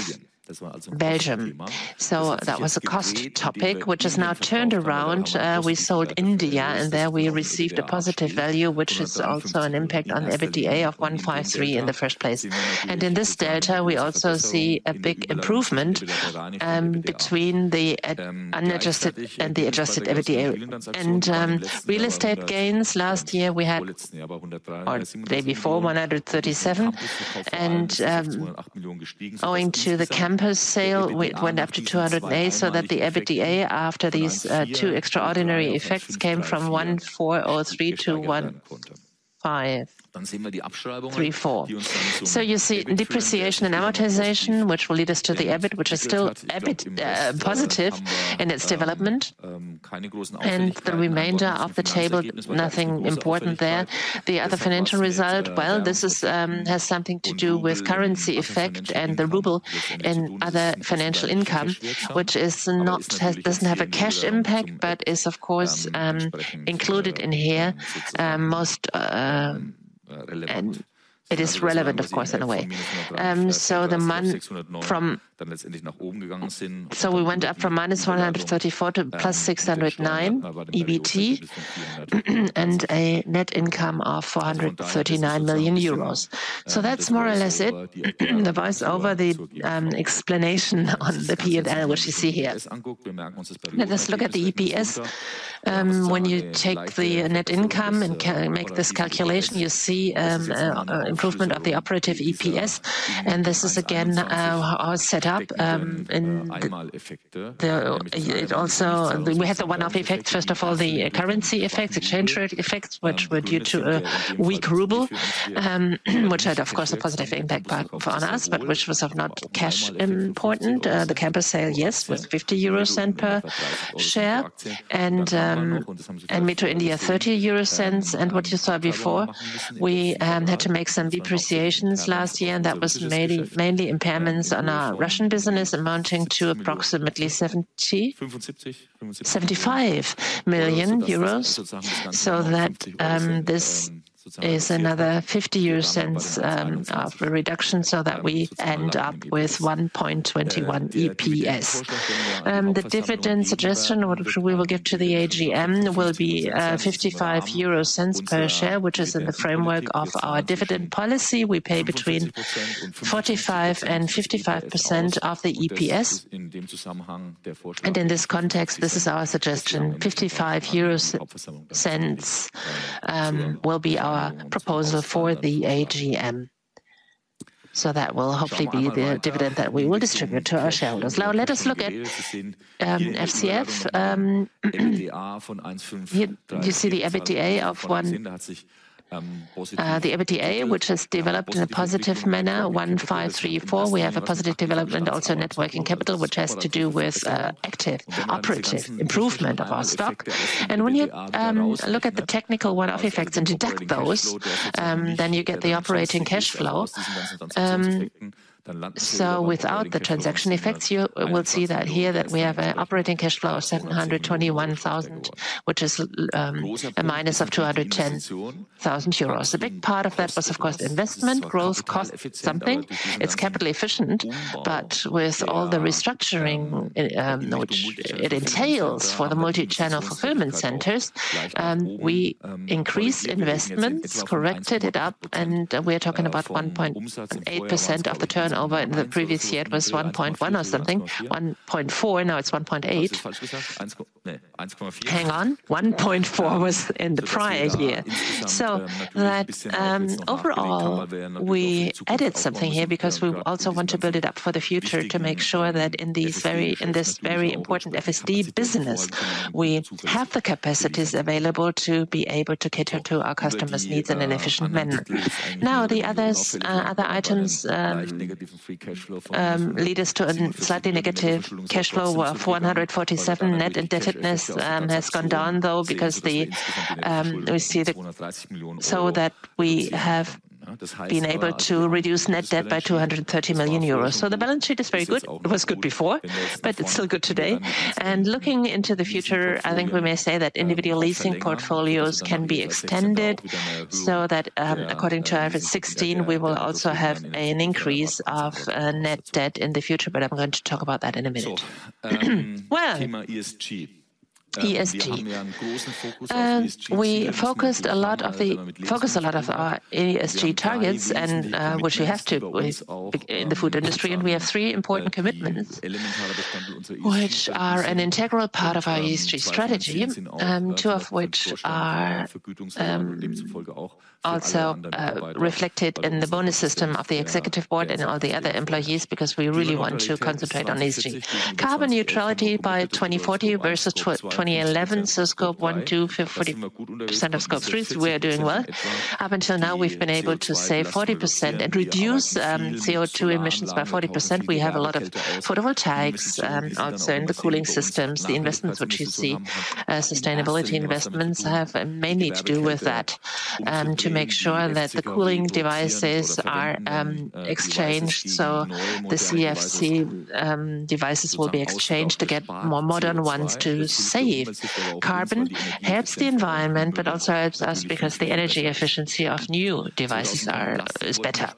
Belgium. So that was a cost topic, which has now turned around. We sold India, and there we received a positive value, which is also an impact on the EBITDA of 153 in the first place. And in this data, we also see a big improvement between the unadjusted and the adjusted EBITDA. And real estate gains, last year, we had, or the day before, EUR 137. And, owing to the campus sale, we went up to 280, so that the EBITDA, after these, two extraordinary effects, came from 1,403 to 1,534. So you see depreciation and amortization, which will lead us to the EBIT, which is still EBIT, positive in its development. And the remainder of the table, nothing important there. The other financial result, well, this is, has something to do with currency effect and the ruble and other financial income, which is not, has, doesn't have a cash impact, but is, of course, included in here. Most, and it is relevant, of course, in a way. So we went up from -134 to +609 EBT, and a net income of 439 million euros. So that's more or less it, the voice over, the explanation on the P&L, which you see here. Now let's look at the EPS. When you take the net income and make this calculation, you see improvement of the operative EPS, and this is again our setup, it also. We had the one-off effects, first of all, the currency effects, exchange rate effects, which were due to a weak ruble, which had, of course, a positive impact by, for on us, but which was of not cash important. The campus sale, yes, was 0.50 per share, and METRO India, 0.30. What you saw before, we had to make some depreciations last year, and that was mainly impairments on our Russian business, amounting to approximately 75 million euros, so that this is another 0.50 of reduction, so that we end up with 1.21 EPS. The dividend suggestion, which we will give to the AGM, will be 0.55 per share, which is in the framework of our dividend policy. We pay between 45%-55% of the EPS. In this context, this is our suggestion: 0.55 will be our proposal for the AGM. So that will hopefully be the dividend that we will distribute to our shareholders. Now, let us look at FCF. You see the EBITDA of 1,534, the EBITDA, which has developed in a positive manner, 1,534. We have a positive development, also net working capital, which has to do with active, operative improvement of our stock. And when you look at the technical one-off effects and deduct those, then you get the operating cash flow. So without the transaction effects, you will see that here, that we have an operating cash flow of 721 thousand, which is a minus of 210 thousand euros. A big part of that was, of course, investment. Growth costs something. It's capital efficient, but with all the restructuring, which it entails deals for the multi-channel fulfillment centers. We increased investments, corrected it up, and we are talking about 1.8% of the turnover. In the previous year, it was 1.1 or something, 1.4, now it's 1.8. Hang on, 1.4 was in the prior year. So that overall, we added something here because we also want to build it up for the future to make sure that in these very-- in this very important FSD business, we have the capacities available to be able to cater to our customers' needs in an efficient manner. Now, the others, other items, lead us to a slightly negative cash flow of 447. Net indebtedness has gone down, though, because the, we see the- So that we have been able to reduce net debt by 230 million euros. So the balance sheet is very good. It was good before, but it's still good today. Looking into the future, I think we may say that individual leasing portfolios can be extended, so that, according to IFRS 16, we will also have an increase of net debt in the future. But I'm going to talk about that in a minute. Well, ESG. We focused a lot of our ESG targets and, which we have to in the food industry, and we have three important commitments, which are an integral part of our ESG strategy, two of which are also reflected in the bonus system of the executive board and all the other employees, because we really want to concentrate on ESG. Carbon neutrality by 2040 versus 2011, so Scope 1, 2, 50% of Scope 3, so we are doing well. Up until now, we've been able to save 40% and reduce CO2 emissions by 40%. We have a lot of photovoltaics also in the cooling systems. The investments, which you see, sustainability investments, have mainly to do with that to make sure that the cooling devices are exchanged. So the CFC devices will be exchanged to get more modern ones to save carbon. Helps the environment, but also helps us because the energy efficiency of new devices are is better.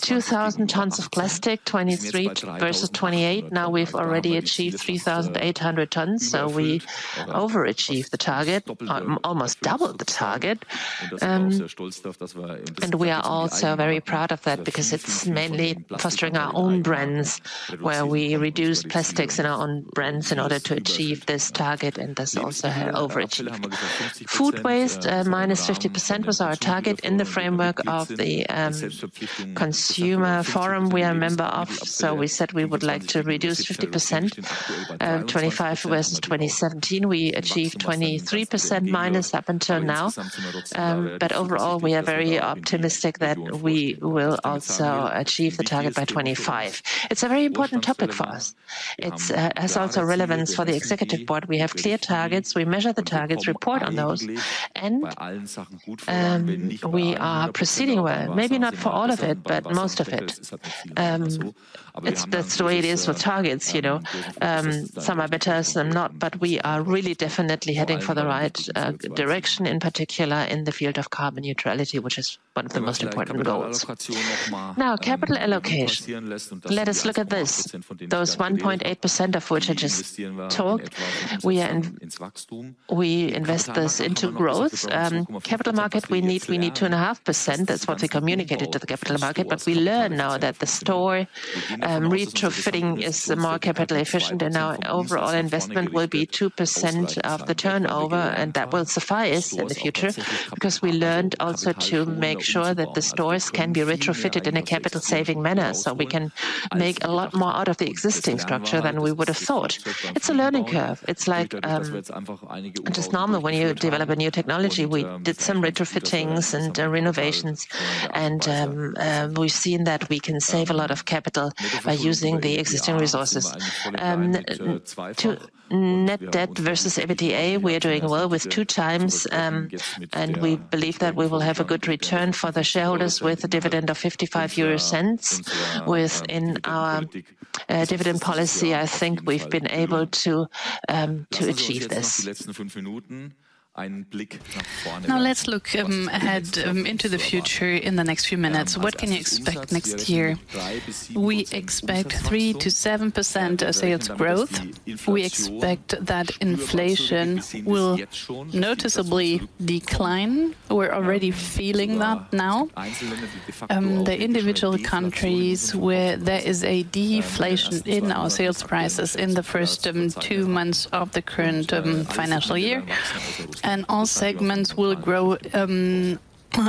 2,000 tons of plastic, 2023 versus 2028. Now we've already achieved 3,800 tons, so we overachieved the target almost doubled the target. And we are also very proud of that because it's mainly fostering our own brands, where we reduce plastics in our own brands in order to achieve this target, and thus also overachieve. Food waste, minus 50% was our target in the framework of the consumer forum we are a member of, so we said we would like to reduce 50%, 25 versus 2017. We achieved 23% minus up until now. But overall, we are very optimistic that we will also achieve the target by 25. It's a very important topic for us. It has also relevance for the executive board. We have clear targets. We measure the targets, report on those, and we are proceeding well. Maybe not for all of it, but most of it. That's the way it is with targets, you know, some are better, some not, but we are really definitely heading for the right direction, in particular in the field of carbon neutrality, which is one of the most important goals. Now, capital allocation. Let us look at this. Those 1.8% of which I just talked, we are in. We invest this into growth. Capital market, we need, we need 2.5%. That's what we communicated to the capital market, but we learn now that the store retrofitting is more capital efficient, and our overall investment will be 2% of the turnover, and that will suffice in the future. Because we learned also to make sure that the stores can be retrofitted in a capital-saving manner, so we can make a lot more out of the existing structure than we would have thought. It's a learning curve. It's like just normal when you develop a new technology. We did some retrofitting and, renovations, and, we've seen that we can save a lot of capital by using the existing resources. To net debt versus EBITDA, we are doing well with two times, and we believe that we will have a good return for the shareholders with a dividend of 0.55. Within our, dividend policy, I think we've been able to, to achieve this. Now, let's look, ahead, into the future in the next few minutes. What can you expect next year? We expect 3%-7% sales growth. We expect that inflation will noticeably decline. We're already feeling that now. The individual countries where there is a deflation in our sales prices in the first two months of the current financial year, and all segments will grow,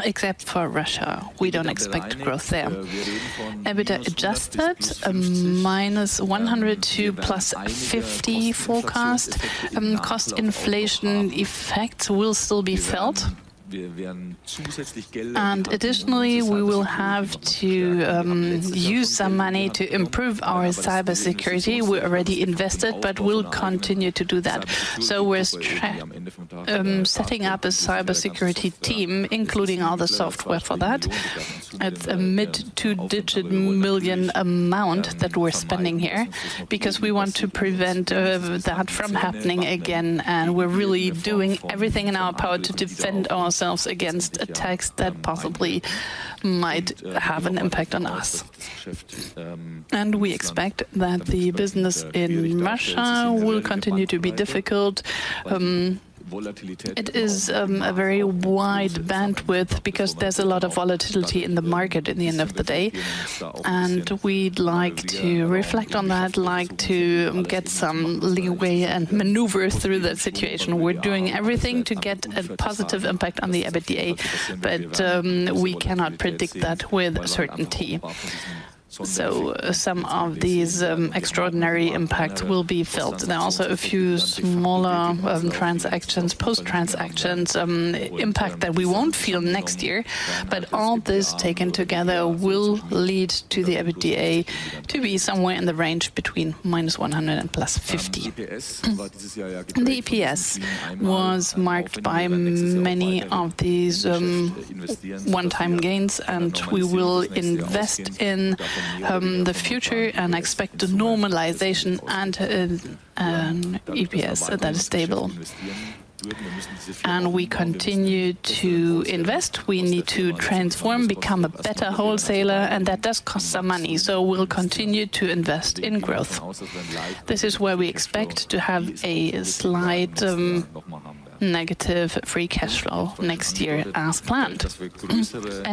except for Russia. We don't expect growth there. Adjusted EBITDA -100 to +50 forecast. Cost inflation effects will still be felt. Additionally, we will have to use some money to improve our cybersecurity. We already invested, but we'll continue to do that. So we're setting up a cybersecurity team, including all the software for that, at a mid-2-digit million EUR amount that we're spending here, because we want to prevent that from happening again, and we're really doing everything in our power to defend ourselves against attacks that possibly might have an impact on us. We expect that the business in Russia will continue to be difficult. It is a very wide bandwidth because there's a lot of volatility in the market at the end of the day, and we'd like to reflect on that, like to get some leeway and maneuver through the situation. We're doing everything to get a positive impact on the EBITDA, but we cannot predict that with certainty.... So some of these extraordinary impacts will be felt. There are also a few smaller transactions, post transactions impact that we won't feel next year. But all this taken together will lead to the EBITDA to be somewhere in the range between -100 and +50. The EPS was marked by many of these one-time gains, and we will invest in the future and expect a normalization and an EPS that is stable. We continue to invest. We need to transform, become a better wholesaler, and that does cost some money, so we'll continue to invest in growth. This is where we expect to have a slight negative free cash flow next year as planned.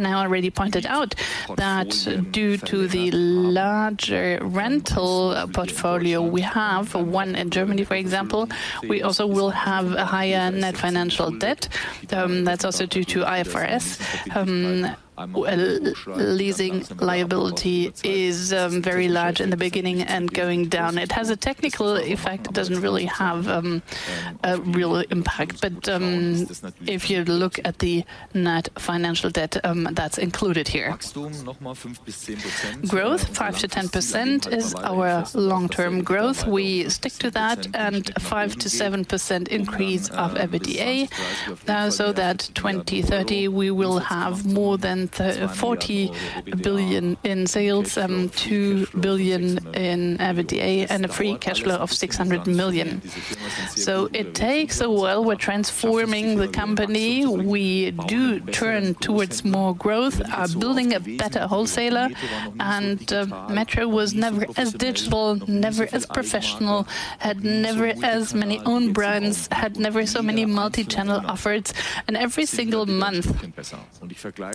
I already pointed out that due to the larger rental portfolio we have, one in Germany, for example, we also will have a higher net financial debt. That's also due to IFRS. Well, leasing liability is very large in the beginning and going down. It has a technical effect. It doesn't really have a real impact. But if you look at the net financial debt, that's included here. Growth 5%-10% is our long-term growth. We stick to that, and a 5%-7% increase of EBITDA, so that 2030, we will have more than 40 billion in sales, 2 billion in EBITDA, and a free cash flow of 600 million. So it takes a while. We're transforming the company. We do turn towards more growth, are building a better wholesaler, and, Metro was never as digital, never as professional, had never as many own brands, had never so many multi-channel efforts. Every single month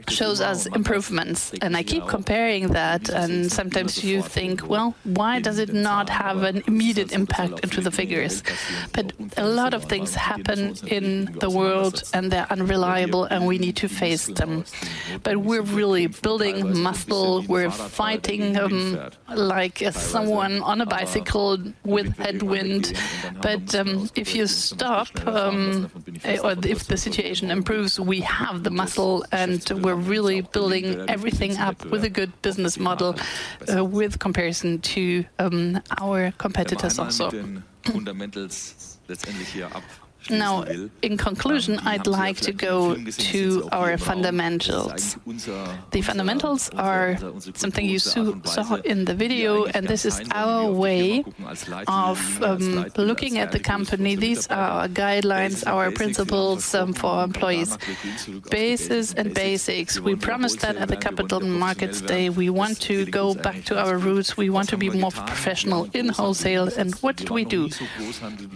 shows us improvements. I keep comparing that, and sometimes you think, "Well, why does it not have an immediate impact into the figures?" A lot of things happen in the world, and they're unreliable, and we need to face them. We're really building muscle. We're fighting, like someone on a bicycle with headwind. But, if you stop, or if the situation improves, we have the muscle, and we're really building everything up with a good business model, with comparison to, our competitors also. Now, in conclusion, I'd like to go to our fundamentals. The fundamentals are something you saw, saw in the video, and this is our way of looking at the company. These are our guidelines, our principles for our employees. Basics and basics. We promised that at the Capital Markets Day. We want to go back to our roots. We want to be more professional in wholesale. And what did we do?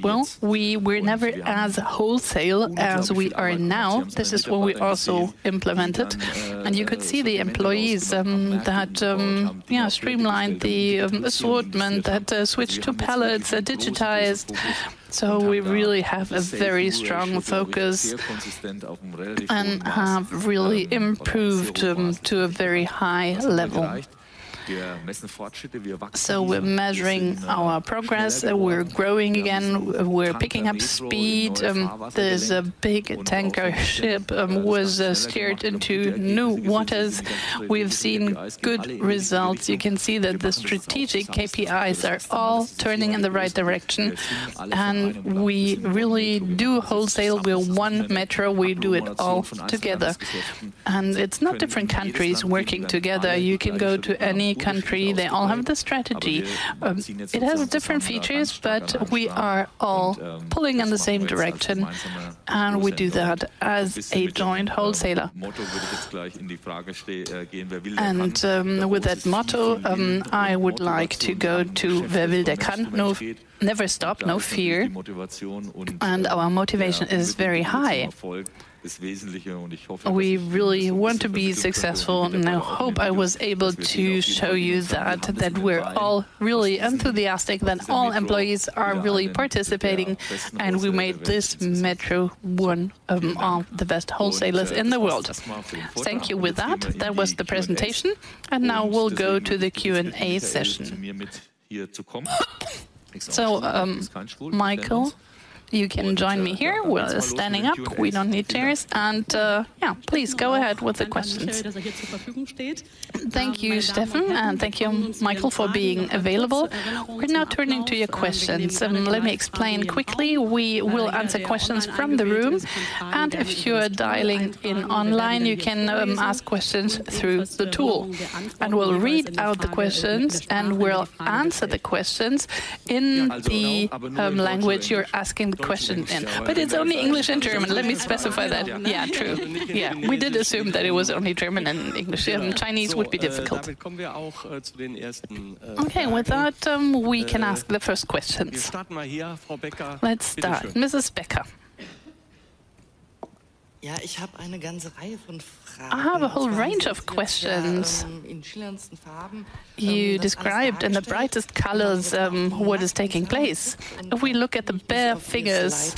Well, we were never as wholesale as we are now. This is what we also implemented. And you could see the employees that streamlined the assortment, that switched to pallets and digitized. So we really have a very strong focus and have really improved to a very high level. So we're measuring our progress, and we're growing again. We're picking up speed. There's a big tanker ship was steered into new waters. We've seen good results. You can see that the strategic KPIs are all turning in the right direction, and we really do wholesale. We are one Metro. We do it all together, and it's not different countries working together. You can go to any country. They all have the strategy. It has different features, but we are all pulling in the same direction, and we do that as a joint wholesaler. And, with that motto, I would like to go to Wer will, der kann. No, never stop, no fear, and our motivation is very high. We really want to be successful, and I hope I was able to show you that, that we're all really enthusiastic, that all employees are really participating, and we made this Metro one of the best wholesalers in the world. Thank you. With that, that was the presentation, and now we'll go to the Q&A session. So, Michael, you can join me here. We're standing up. We don't need chairs. And, yeah, please go ahead with the questions. Thank you, Steffen, and thank you, Michael, for being available. We're now turning to your questions. Let me explain quickly. We will answer questions from the room, and if you are dialing in online, you can ask questions through the tool. And we'll read out the questions, and we'll answer the questions in the language you're asking the question in. But it's only English and German. Let me specify that. Yeah, true. Yeah, we did assume that it was only German and English. Chinese would be difficult. Okay, with that, we can ask the first questions. Let's start. Mrs. Becker?... Yeah, ich habe eine ganze Reihe von Fragen. I have a whole range of questions. You described in the brightest colors what is taking place. If we look at the bare figures,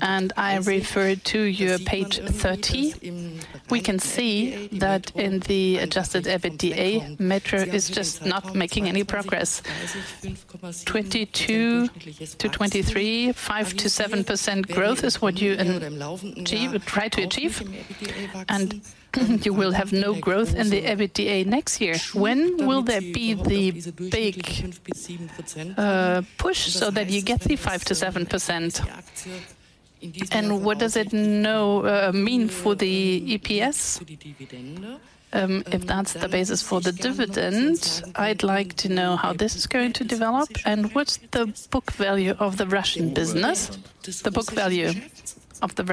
and I refer to your page 30, we can see that in the adjusted EBITDA, Metro is just not making any progress. 2022-2023, 5%-7% growth is what you achieve, try to achieve, and you will have no growth in the EBITDA next year. When will there be the big push so that you get the 5%-7%? And what does it, you know, mean for the EPS? If that's the basis for the dividend, I'd like to know how this is going to develop, and what's the book value of the Russian business? The book value of the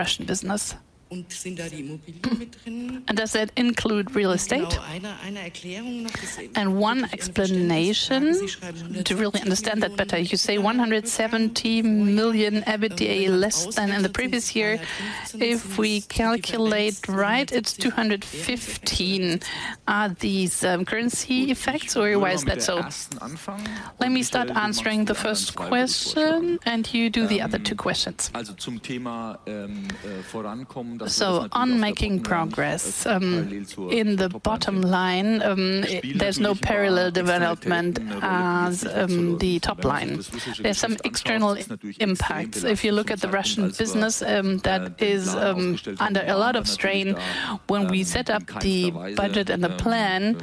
Russian business. And does that include real estate? One explanation, to really understand that better, you say 170 million EBITDA less than in the previous year. If we calculate right, it's 215. Are these currency effects, or why is that so? Let me start answering the first question, and you do the other two questions. So on making progress in the bottom line, there's no parallel development as the top line. There's some external impacts. If you look at the Russian business, that is under a lot of strain. When we set up the budget and the plan,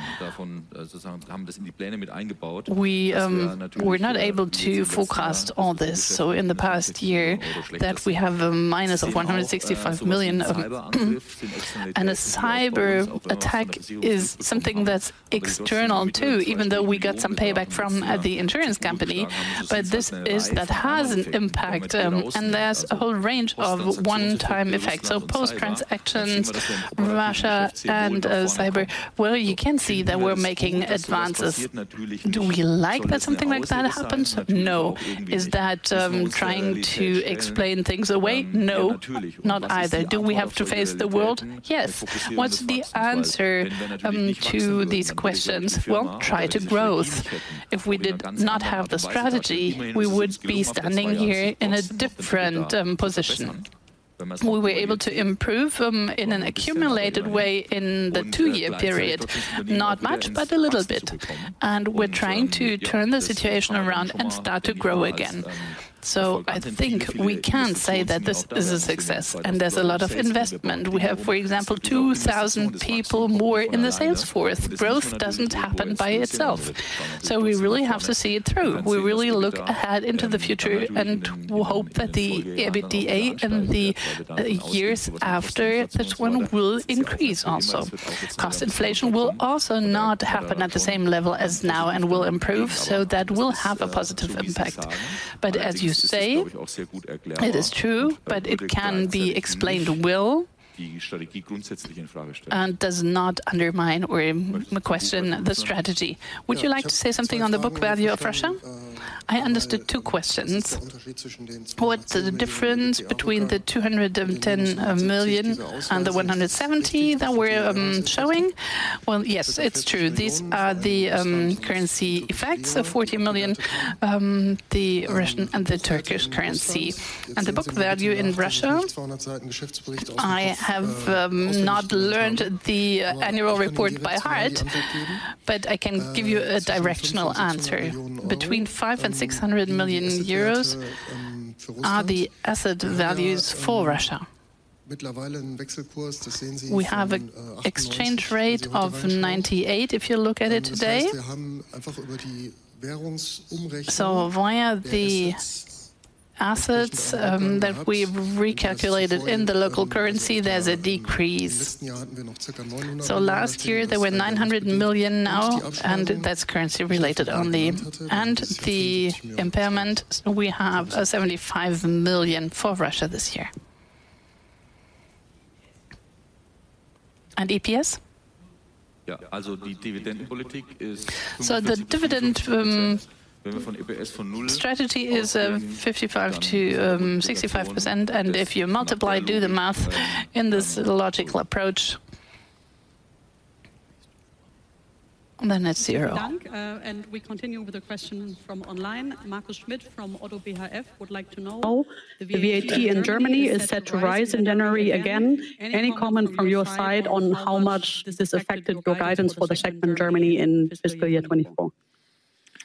we, we're not able to forecast all this. So in the past year, that we have a minus of 165 million. And a cyberattack is something that's external, too, even though we got some payback from the insurance company. But this is that has an impact, and there's a whole range of one-time effects. So post-transactions, Russia and cyber, well, you can see that we're making advances. Do we like that something like that happens? No. Is that trying to explain things away? No, not either. Do we have to face the world? Yes. What's the answer to these questions? Well, try to growth. If we did not have the strategy, we would be standing here in a different position. We were able to improve in an accumulated way in the two-year period, not much, but a little bit. We're trying to turn the situation around and start to grow again. So I think we can say that this is a success, and there's a lot of investment. We have, for example, 2,000 people more in the sales force. Growth doesn't happen by itself, so we really have to see it through. We really look ahead into the future and hope that the EBITDA in the years after this one will increase also. Cost inflation will also not happen at the same level as now and will improve, so that will have a positive impact. But as you say, it is true, but it can be explained well, and does not undermine or question the strategy. Would you like to say something on the book value of Russia? I understood two questions. What's the difference between the 210 million and the 170 million that we're showing? Well, yes, it's true. These are the currency effects of 40 million, the Russian and the Turkish currency. And the book value in Russia, I have not learned the annual report by heart, but I can give you a directional answer. Between 500 million and 600 million euros are the asset values for Russia. We have an exchange rate of 98, if you look at it today. So via the assets that we've recalculated in the local currency, there's a decrease. So last year, there were 900 million now, and that's currency related only. And the impairment, we have 75 million for Russia this year. And EPS? Yeah. So the dividend strategy is 55%-65%, and if you multiply, do the math in this logical approach... And then it's zero. And we continue with the question from online. Martin Schmid from Oddo BHF would like to know, the VAT in Germany is set to rise in January again. Any comment from your side on how much this has affected your guidance for the segment Germany in fiscal year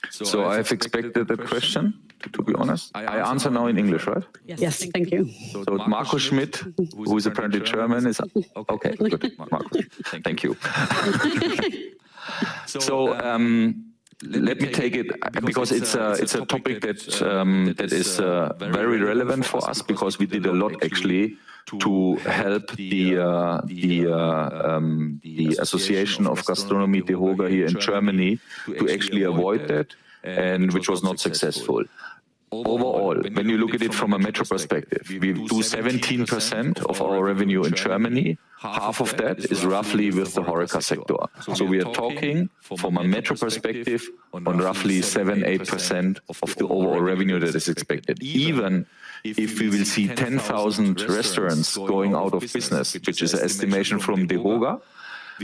2024? I've expected the question, to be honest. I answer now in English, right? Yes. Thank you. So Martin Schmid, who is apparently German. Okay, good. Marco. Thank you. So, let me take it, because it's a, it's a topic that, that is, very relevant for us because we did a lot, actually, to help the, the Association of Gastronomy, DEHOGA, here in Germany, to actually avoid that, and which was not successful.... Overall, when you look at it from a METRO perspective, we do 17% of our revenue in Germany. Half of that is roughly with the HoReCa sector. So we are talking from a METRO perspective on roughly 7-8% of, of the overall revenue that is expected. Even if we will see 10,000 restaurants going out of business, which is an estimation from the HoReCa,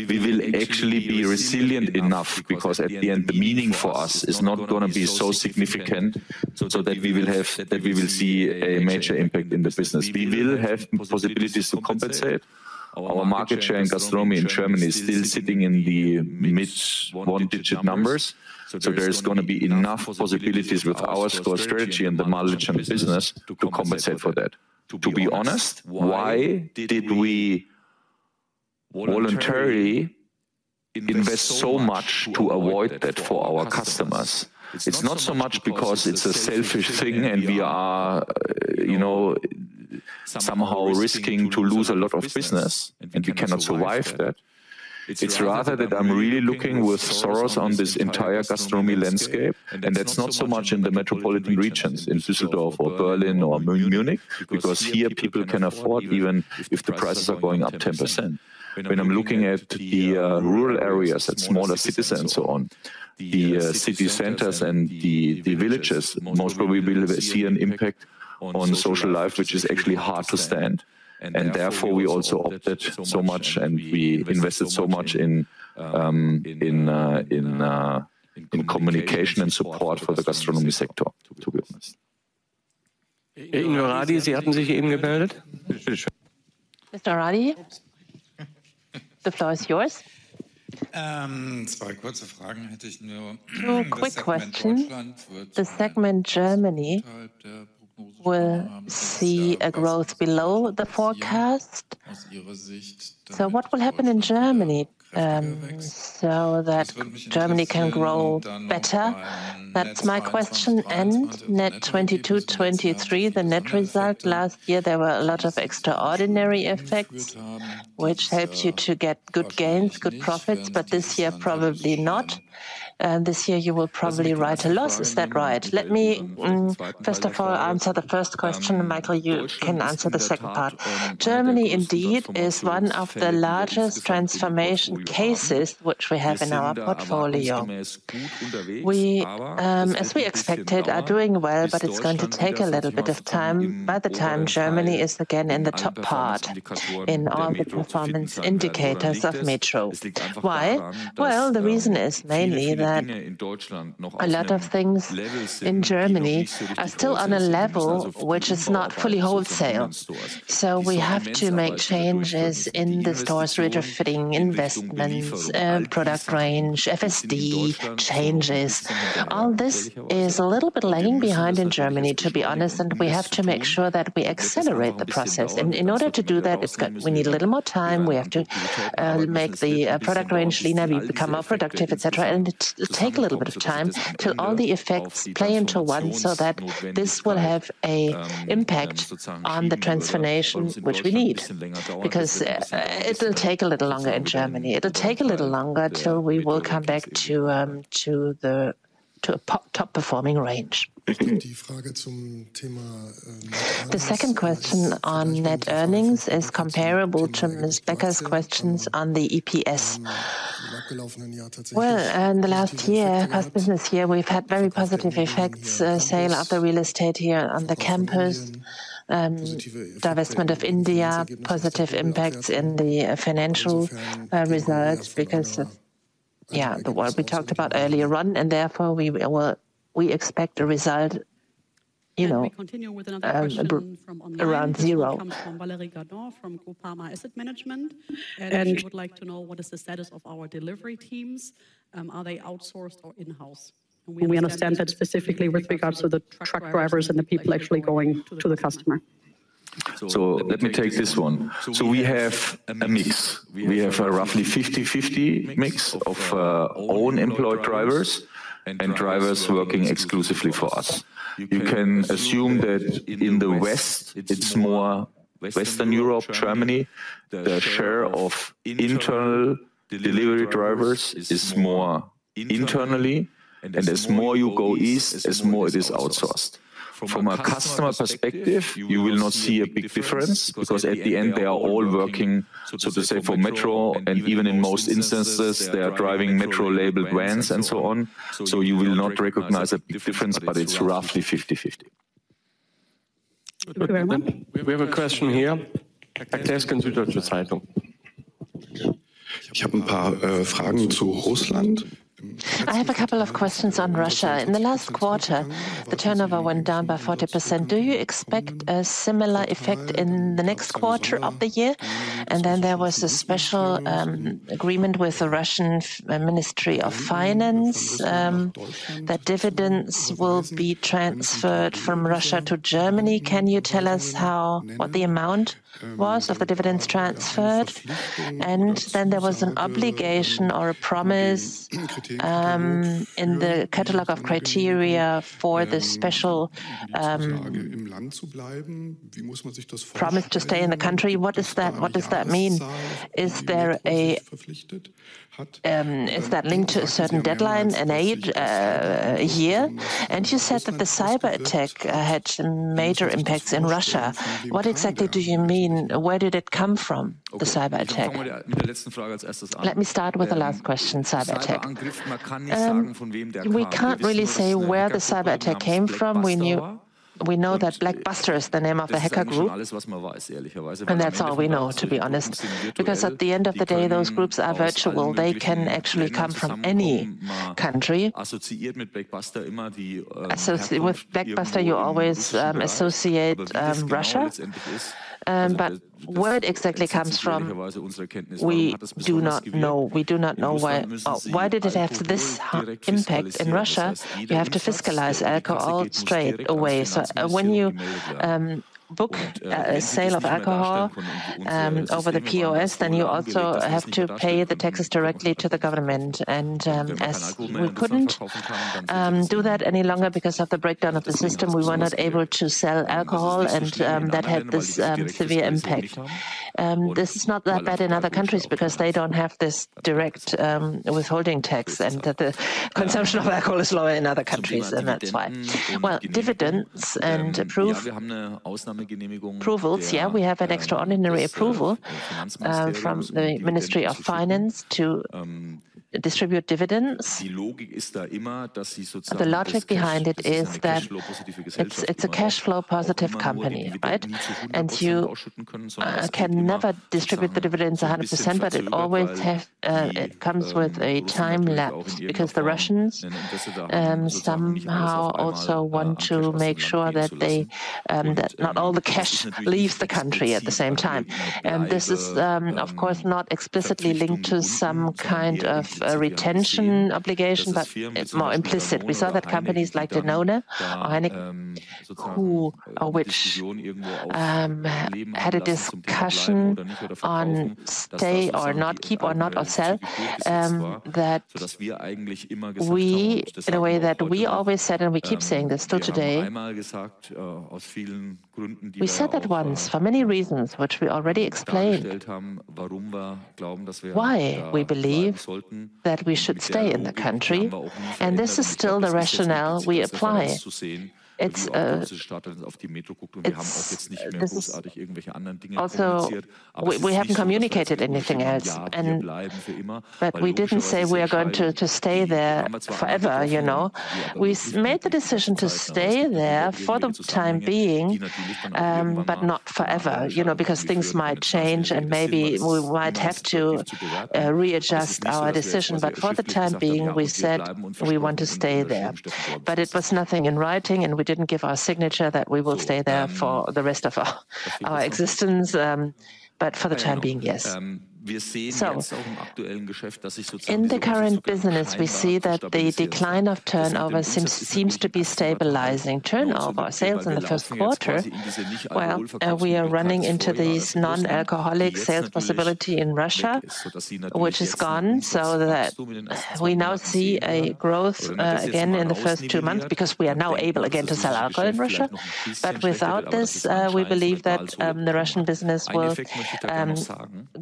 we will actually be resilient enough, because at the end, the meaning for us is not going to be so significant, so that we will see a major impact in the business. We will have possibilities to compensate. Our market share in gastronomy in Germany is still sitting in the mid one-digit numbers. So there is going to be enough possibilities with our store strategy and the knowledge of business to compensate for that. To be honest, why did we voluntarily invest so much to avoid that for our customers? It's not so much because it's a selfish thing and we are, you know, somehow risking to lose a lot of business, and we cannot survive that. It's rather that I'm really looking with sorrows on this entire gastronomy landscape, and that's not so much in the metropolitan regions, in Düsseldorf or Berlin or Munich, because here people can afford, even if the prices are going up 10%. When I'm looking at the rural areas and smaller cities and so on, the city centers and the villages most probably will see an impact on social life, which is actually hard to stand. And therefore, we also opted so much, and we invested so much in communication and support for the gastronomy sector, to be honest. Mr. Radi, the floor is yours. Quick question: the segment Germany will see a growth below the forecast. So what will happen in Germany, so that Germany can grow better? That's my question. And net 2022, 2023, the net result last year, there were a lot of extraordinary effects which helped you to get good gains, good profits, but this year, probably not. This year you will probably write a loss. Is that right? Let me, first of all, answer the first question, and Michael, you can answer the second part. Germany, indeed, is one of the largest transformation cases which we have in our portfolio. We, as we expected, are doing well, but it's going to take a little bit of time, by the time Germany is again in the top part in all the performance indicators of METRO. Why? Well, the reason is mainly that a lot of things in Germany are still on a level which is not fully wholesale. So we have to make changes in the stores, retrofitting, investments, product range, FSD changes. All this is a little bit lagging behind in Germany, to be honest, and we have to make sure that we accelerate the process. And in order to do that, we need a little more time. We have to make the product range leaner, we become more productive, et cetera. And it take a little bit of time till all the effects play into one, so that this will have a impact on the transformation which we need, because, it'll take a little longer in Germany. It'll take a little longer till we will come back to, to the, to a top performing range. The second question on net earnings is comparable to Ms. Becker's questions on the EPS. Well, in the last year, past business year, we've had very positive effects, sale of the real estate here on the campus, divestment of India, positive impacts in the financial results because of, yeah, the work we talked about earlier on, and therefore we expect a result, you know, around zero. Let me continue with another question from online. It comes from Valérie Gahr, from Groupama Asset Management. And she would like to know what is the status of our delivery teams, are they outsourced or in-house? And we understand that specifically with regards to the truck drivers and the people actually going to the customer. So let me take this one. We have a mix. We have a roughly 50/50 mix of own employed drivers and drivers working exclusively for us. You can assume that in the west, it's more Western Europe, Germany, the share of internal delivery drivers is more internally, and the more you go east, as more it is outsourced. From a customer perspective, you will not see a big difference, because at the end, they are all working, so to say, for Metro, and even in most instances, they are driving Metro labeled vans and so on. So you will not recognize a big difference, but it's roughly 50/50. Thank you very much. We have a question here. I have a couple of questions on Russia. In the last quarter, the turnover went down by 40%. Do you expect a similar effect in the next quarter of the year? And then there was a special agreement with the Russian Ministry of Finance that dividends will be transferred from Russia to Germany. Can you tell us what the amount was of the dividends transferred? And then there was an obligation or a promise in the catalog of criteria for the special promise to stay in the country. What does that, what does that mean? Is there a... Is that linked to a certain deadline, an eight-year? And you said that the cyberattack had some major impacts in Russia. What exactly do you mean? Where did it come from, the cyberattack? Let me start with the last question, cyberattack. We can't really say where the cyberattack came from. We know that Black Basta is the name of a hacker group, and that's all we know, to be honest, because at the end of the day, those groups are virtual. They can actually come from any country. Associated with Black Basta, you always associate Russia, but where it exactly comes from, we do not know. We do not know why. Why did it have this high impact in Russia? You have to fiscalize alcohol straight away. So, when you book a sale of alcohol over the POS, then you also have to pay the taxes directly to the government. As we couldn't do that any longer because of the breakdown of the system, we were not able to sell alcohol and that had this severe impact. This is not that bad in other countries because they don't have this direct withholding tax, and that the consumption of alcohol is lower in other countries, and that's why. Well, dividends and approvals. Yeah, we have an extraordinary approval from the Ministry of Finance to distribute dividends. The logic behind it is that it's a cash flow positive company, right? And you can never distribute the dividends 100%, but it always have it comes with a time lapse because the Russians somehow also want to make sure that they that not all the cash leaves the country at the same time. This is, of course, not explicitly linked to some kind of retention obligation, but it's more implicit. We saw that companies like Danone or Heineken, who or which, had a discussion on stay or not, keep or not or sell, that we, in a way that we always said, and we keep saying this till today. We said that once for many reasons, which we already explained, why we believe that we should stay in the country, and this is still the rationale we apply. It's this. Also, we haven't communicated anything else, but we didn't say we are going to stay there forever, you know? We made the decision to stay there for the time being, but not forever, you know, because things might change, and maybe we might have to readjust our decision. But for the time being, we said we want to stay there. But it was nothing in writing, and we didn't give our signature that we will stay there for the rest of our existence, but for the time being, yes. So in the current business, we see that the decline of turnover seems to be stabilizing. Turnover, our sales in the Q1, well, we are running into these non-alcoholic sales possibility in Russia, which is gone, so that we now see a growth, again in the first two months because we are now able again to sell alcohol in Russia. But without this, we believe that the Russian business will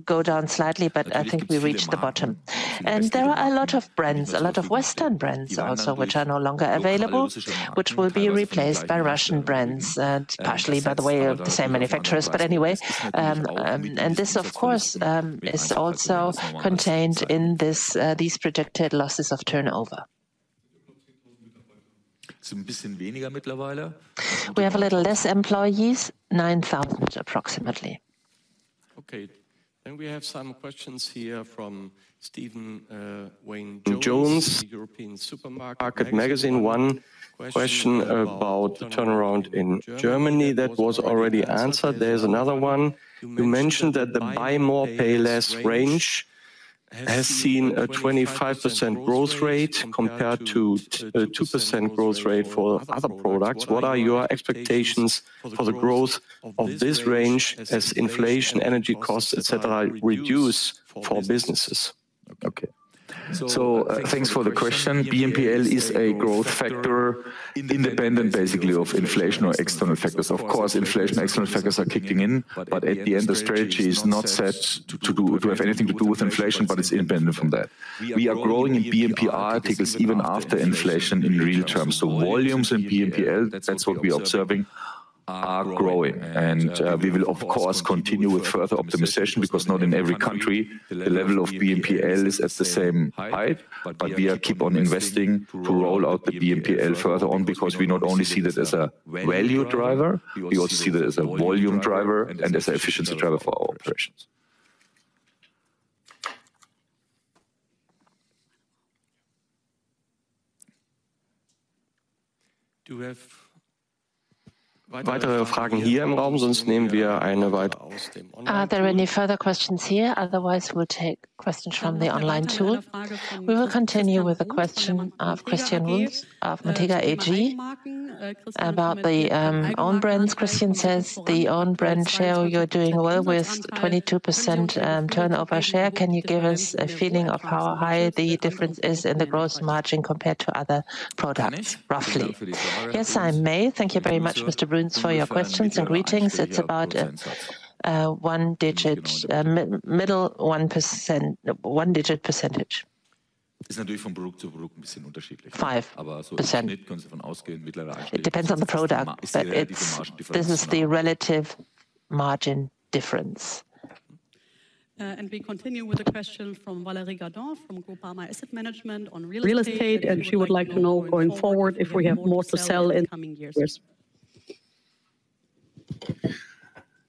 go down slightly, but I think we reached the bottom. There are a lot of brands, a lot of Western brands also, which are no longer available, which will be replaced by Russian brands, and partially, by the way, the same manufacturers. But anyway, and this, of course, is also contained in this, these projected losses of turnover. We have a little less employees, 9,000, approximately. Okay. Then we have some questions here from Stephen Wynne-Jones, European Supermarket Magazine. One question about the turnaround in Germany that was already answered. There's another one: You mentioned that the Buy More Pay Less range has seen a 25% growth rate compared to a 2% growth rate for other products. What are your expectations for the growth of this range as inflation, energy costs, et cetera, reduce for businesses? Okay. So thanks for the question. BMPL is a growth factor, independent, basically, of inflation or external factors. Of course, inflation, external factors are kicking in, but at the end, the strategy is not set to, to do, to have anything to do with inflation, but it's independent from that. We are growing in BMPL articles even after inflation in real terms. So volumes in BMPL, that's what we are observing, are growing. And we will, of course, continue with further optimization, because not in every country, the level of BMPL is at the same height, but we are keep on investing to roll out the BMPL further on, because we not only see it as a value driver, we also see it as a volume driver and as an efficiency driver for our operations. Do you have... Are there any further questions here? Otherwise, we'll take questions from the online tool. We will continue with the question of Christian Bruns of Montega AG, about the own brands. Christian says: "The own brand share, you're doing well with 22% turnover share. Can you give us a feeling of how high the difference is in the growth margin compared to other products, roughly?" Yes, I may. Thank you very much, Mr. Bruns, for your questions and greetings. It's about a one digit, middle one percent, one digit percentage. Five percent. It depends on the product, but it's, this is the relative margin difference.... and we continue with a question from Valerie Gardon, from Groupama Asset Management on real estate. She would like to know going forward if we have more to sell in the coming years?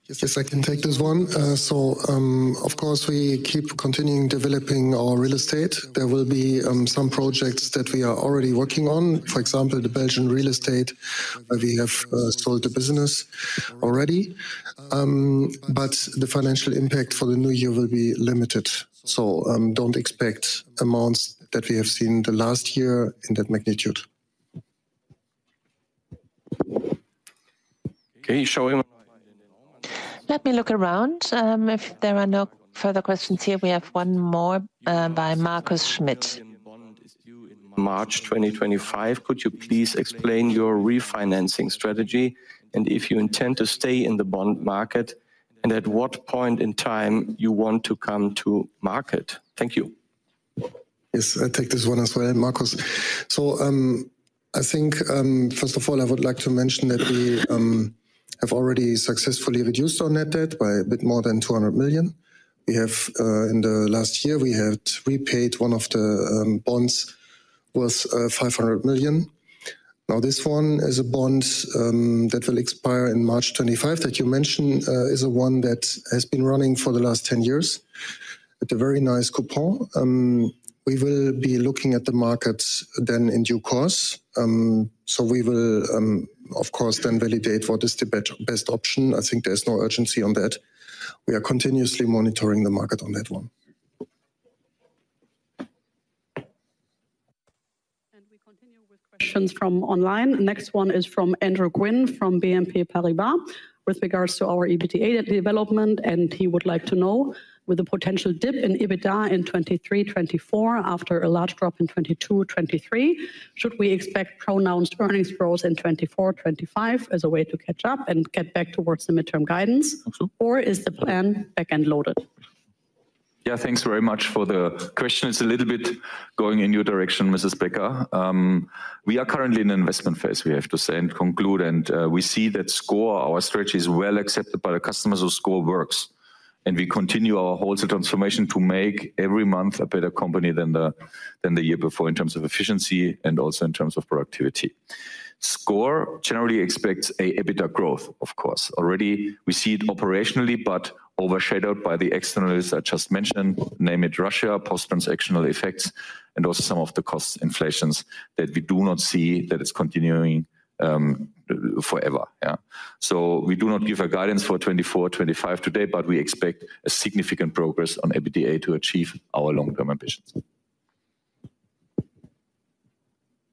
Yes, yes, I can take this one. So, of course, we keep continuing developing our real estate. There will be some projects that we are already working on, for example, the Belgian real estate, where we have sold the business already. But the financial impact for the new year will be limited. So, don't expect amounts that we have seen the last year in that magnitude. Okay, shall we- Let me look around. If there are no further questions here, we have one more, by Marco Schmid.... March 2025, could you please explain your refinancing strategy, and if you intend to stay in the bond market, and at what point in time you want to come to market? Thank you. Yes, I take this one as well, Marcus. So, I think, first of all, I would like to mention that we have already successfully reduced our net debt by a bit more than 200 million. We have, in the last year, we have repaid one of the bonds worth 500 million. Now, this one is a bond that will expire in March 2025, that you mentioned, is a one that has been running for the last 10 years, with a very nice coupon. We will be looking at the markets then in due course. So we will, of course, then validate what is the best option. I think there's no urgency on that. We are continuously monitoring the market on that one. We continue with questions from online. The next one is from Andrew Gwynn, from BNP Paribas, with regards to our EBITDA development, and he would like to know, with a potential dip in EBITDA in 2023, 2024, after a large drop in 2022, 2023, should we expect pronounced earnings growth in 2024, 2025, as a way to catch up and get back towards the midterm guidance? Absolutely. Or is the plan back-end loaded? Yeah, thanks very much for the question. It's a little bit going in your direction, Mrs. Becker. We are currently in an investment phase, we have to say and conclude, and we see that sCore, our stretch, is well accepted by the customers, so sCore works. And we continue our wholesale transformation to make every month a better company than the, than the year before, in terms of efficiency and also in terms of productivity. sCore generally expects a EBITDA growth, of course. Already we see it operationally, but overshadowed by the externalities I just mentioned, name it, Russia, post-transactional effects, and also some of the cost inflations that we do not see that it's continuing, forever. Yeah. So we do not give a guidance for 2024, 2025 today, but we expect a significant progress on EBITDA to achieve our long-term ambitions.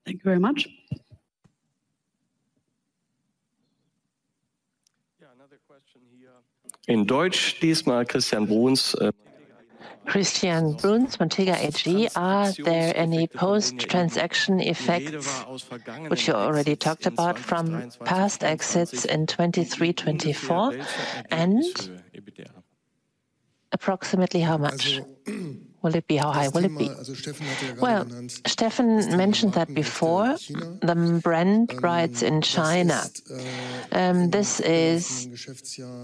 Thank you very much. Yeah, another question here. In Deutsch, this time Christian Bruns. Christian Bruns, Montega AG. Are there any post-transaction effects, which you already talked about from past exits in 2023, 2024? And approximately how much? Will it be, how high will it be? Well, Steffen mentioned that before, the brand rights in China. This is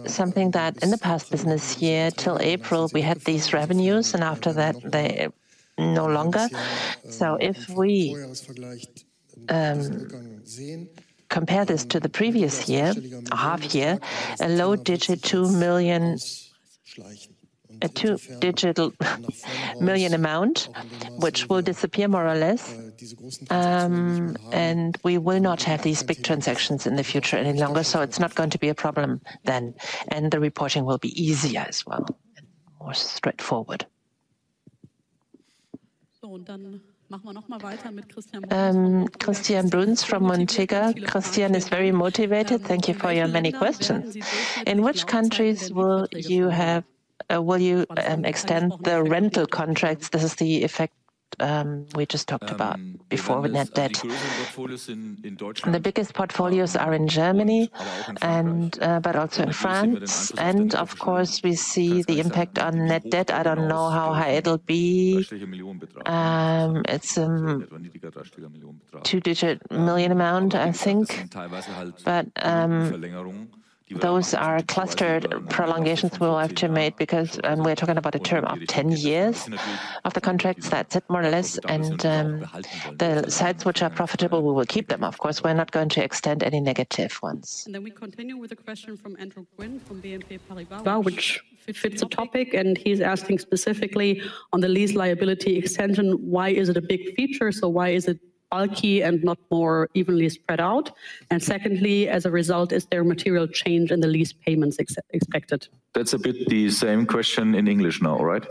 something that in the past business year, till April, we had these revenues, and after that, they no longer. So if we compare this to the previous year half-year, a low double-digit 2 million amount, which will disappear more or less. And we will not have these big transactions in the future any longer, so it's not going to be a problem then, and the reporting will be easier as well, and more straightforward. So then, Christian Bruns from Montega. Christian is very motivated. Thank you for your many questions. In which countries will you extend the rental contracts? This is the effect we just talked about before with net debt. Portfolios in Deutschland. The biggest portfolios are in Germany and but also in France. Of course, we see the impact on net debt. I don't know how high it'll be. It's a 10-99 million EUR amount, I think. But those are clustered prolongations we will have to make because we're talking about a term of 10 years of the contracts. That's it, more or less. The sites which are profitable, we will keep them, of course. We're not going to extend any negative ones. And then we continue with a question from Andrew Gwynn, from BNP Paribas, which fits the topic, and he's asking specifically on the lease liability extension, why is it a big feature? So why is it bulky and not more evenly spread out? And secondly, as a result, is there a material change in the lease payments expected? That's a bit the same question in English now, right?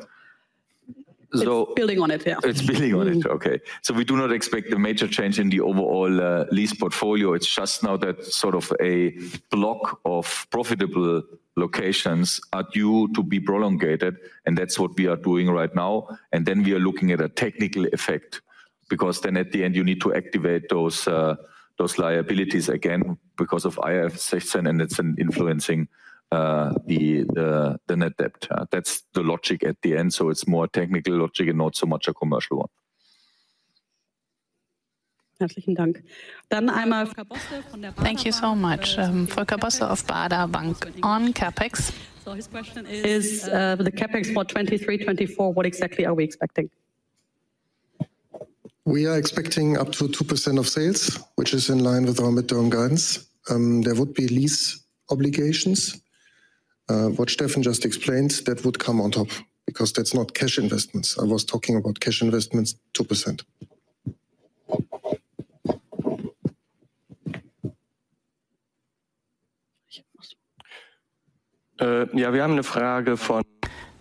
So- It's building on it, yeah. It's building on it. Okay. So we do not expect a major change in the overall lease portfolio. It's just now that sort of a block of profitable locations are due to be prolonged, and that's what we are doing right now. And then we are looking at a technical effect, because then at the end, you need to activate those liabilities again because of IFRS 16, and it's influencing the net debt. That's the logic at the end. So it's more technical logic and not so much a commercial one.... Thank you so much. Volker Bosse of Baader Bank on CapEx. So his question is, the CapEx for 2023, 2024, what exactly are we expecting? We are expecting up to 2% of sales, which is in line with our midterm guidance. There would be lease obligations, what Steffen just explained, that would come on top because that's not cash investments. I was talking about cash investments, 2%.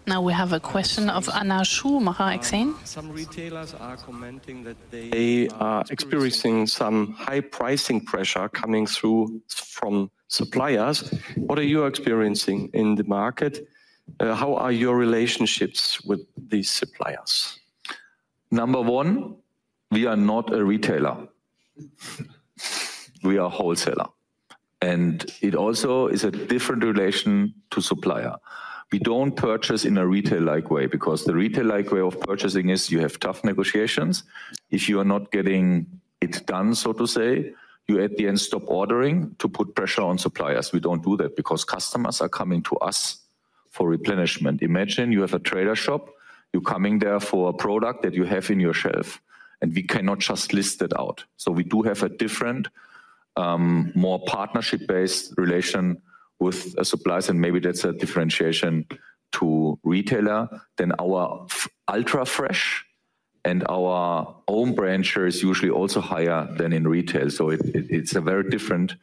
Now we have a question of Anna Schumacher, Exane. Some retailers are commenting that they are experiencing some high pricing pressure coming through from suppliers. What are you experiencing in the market? How are your relationships with these suppliers? Number one, we are not a retailer, we are wholesaler, and it also is a different relation to supplier. We don't purchase in a retail-like way, because the retail-like way of purchasing is you have tough negotiations. If you are not getting it done, so to say, you at the end stop ordering to put pressure on suppliers. We don't do that because customers are coming to us for replenishment. Imagine you have a Trader shop, you're coming there for a product that you have in your shelf, and we cannot just list it out. So we do have a different, more partnership-based relation with suppliers, and maybe that's a differentiation to retailer. Then our ultra-fresh and our own brand share is usually also higher than in retail. So it's a very different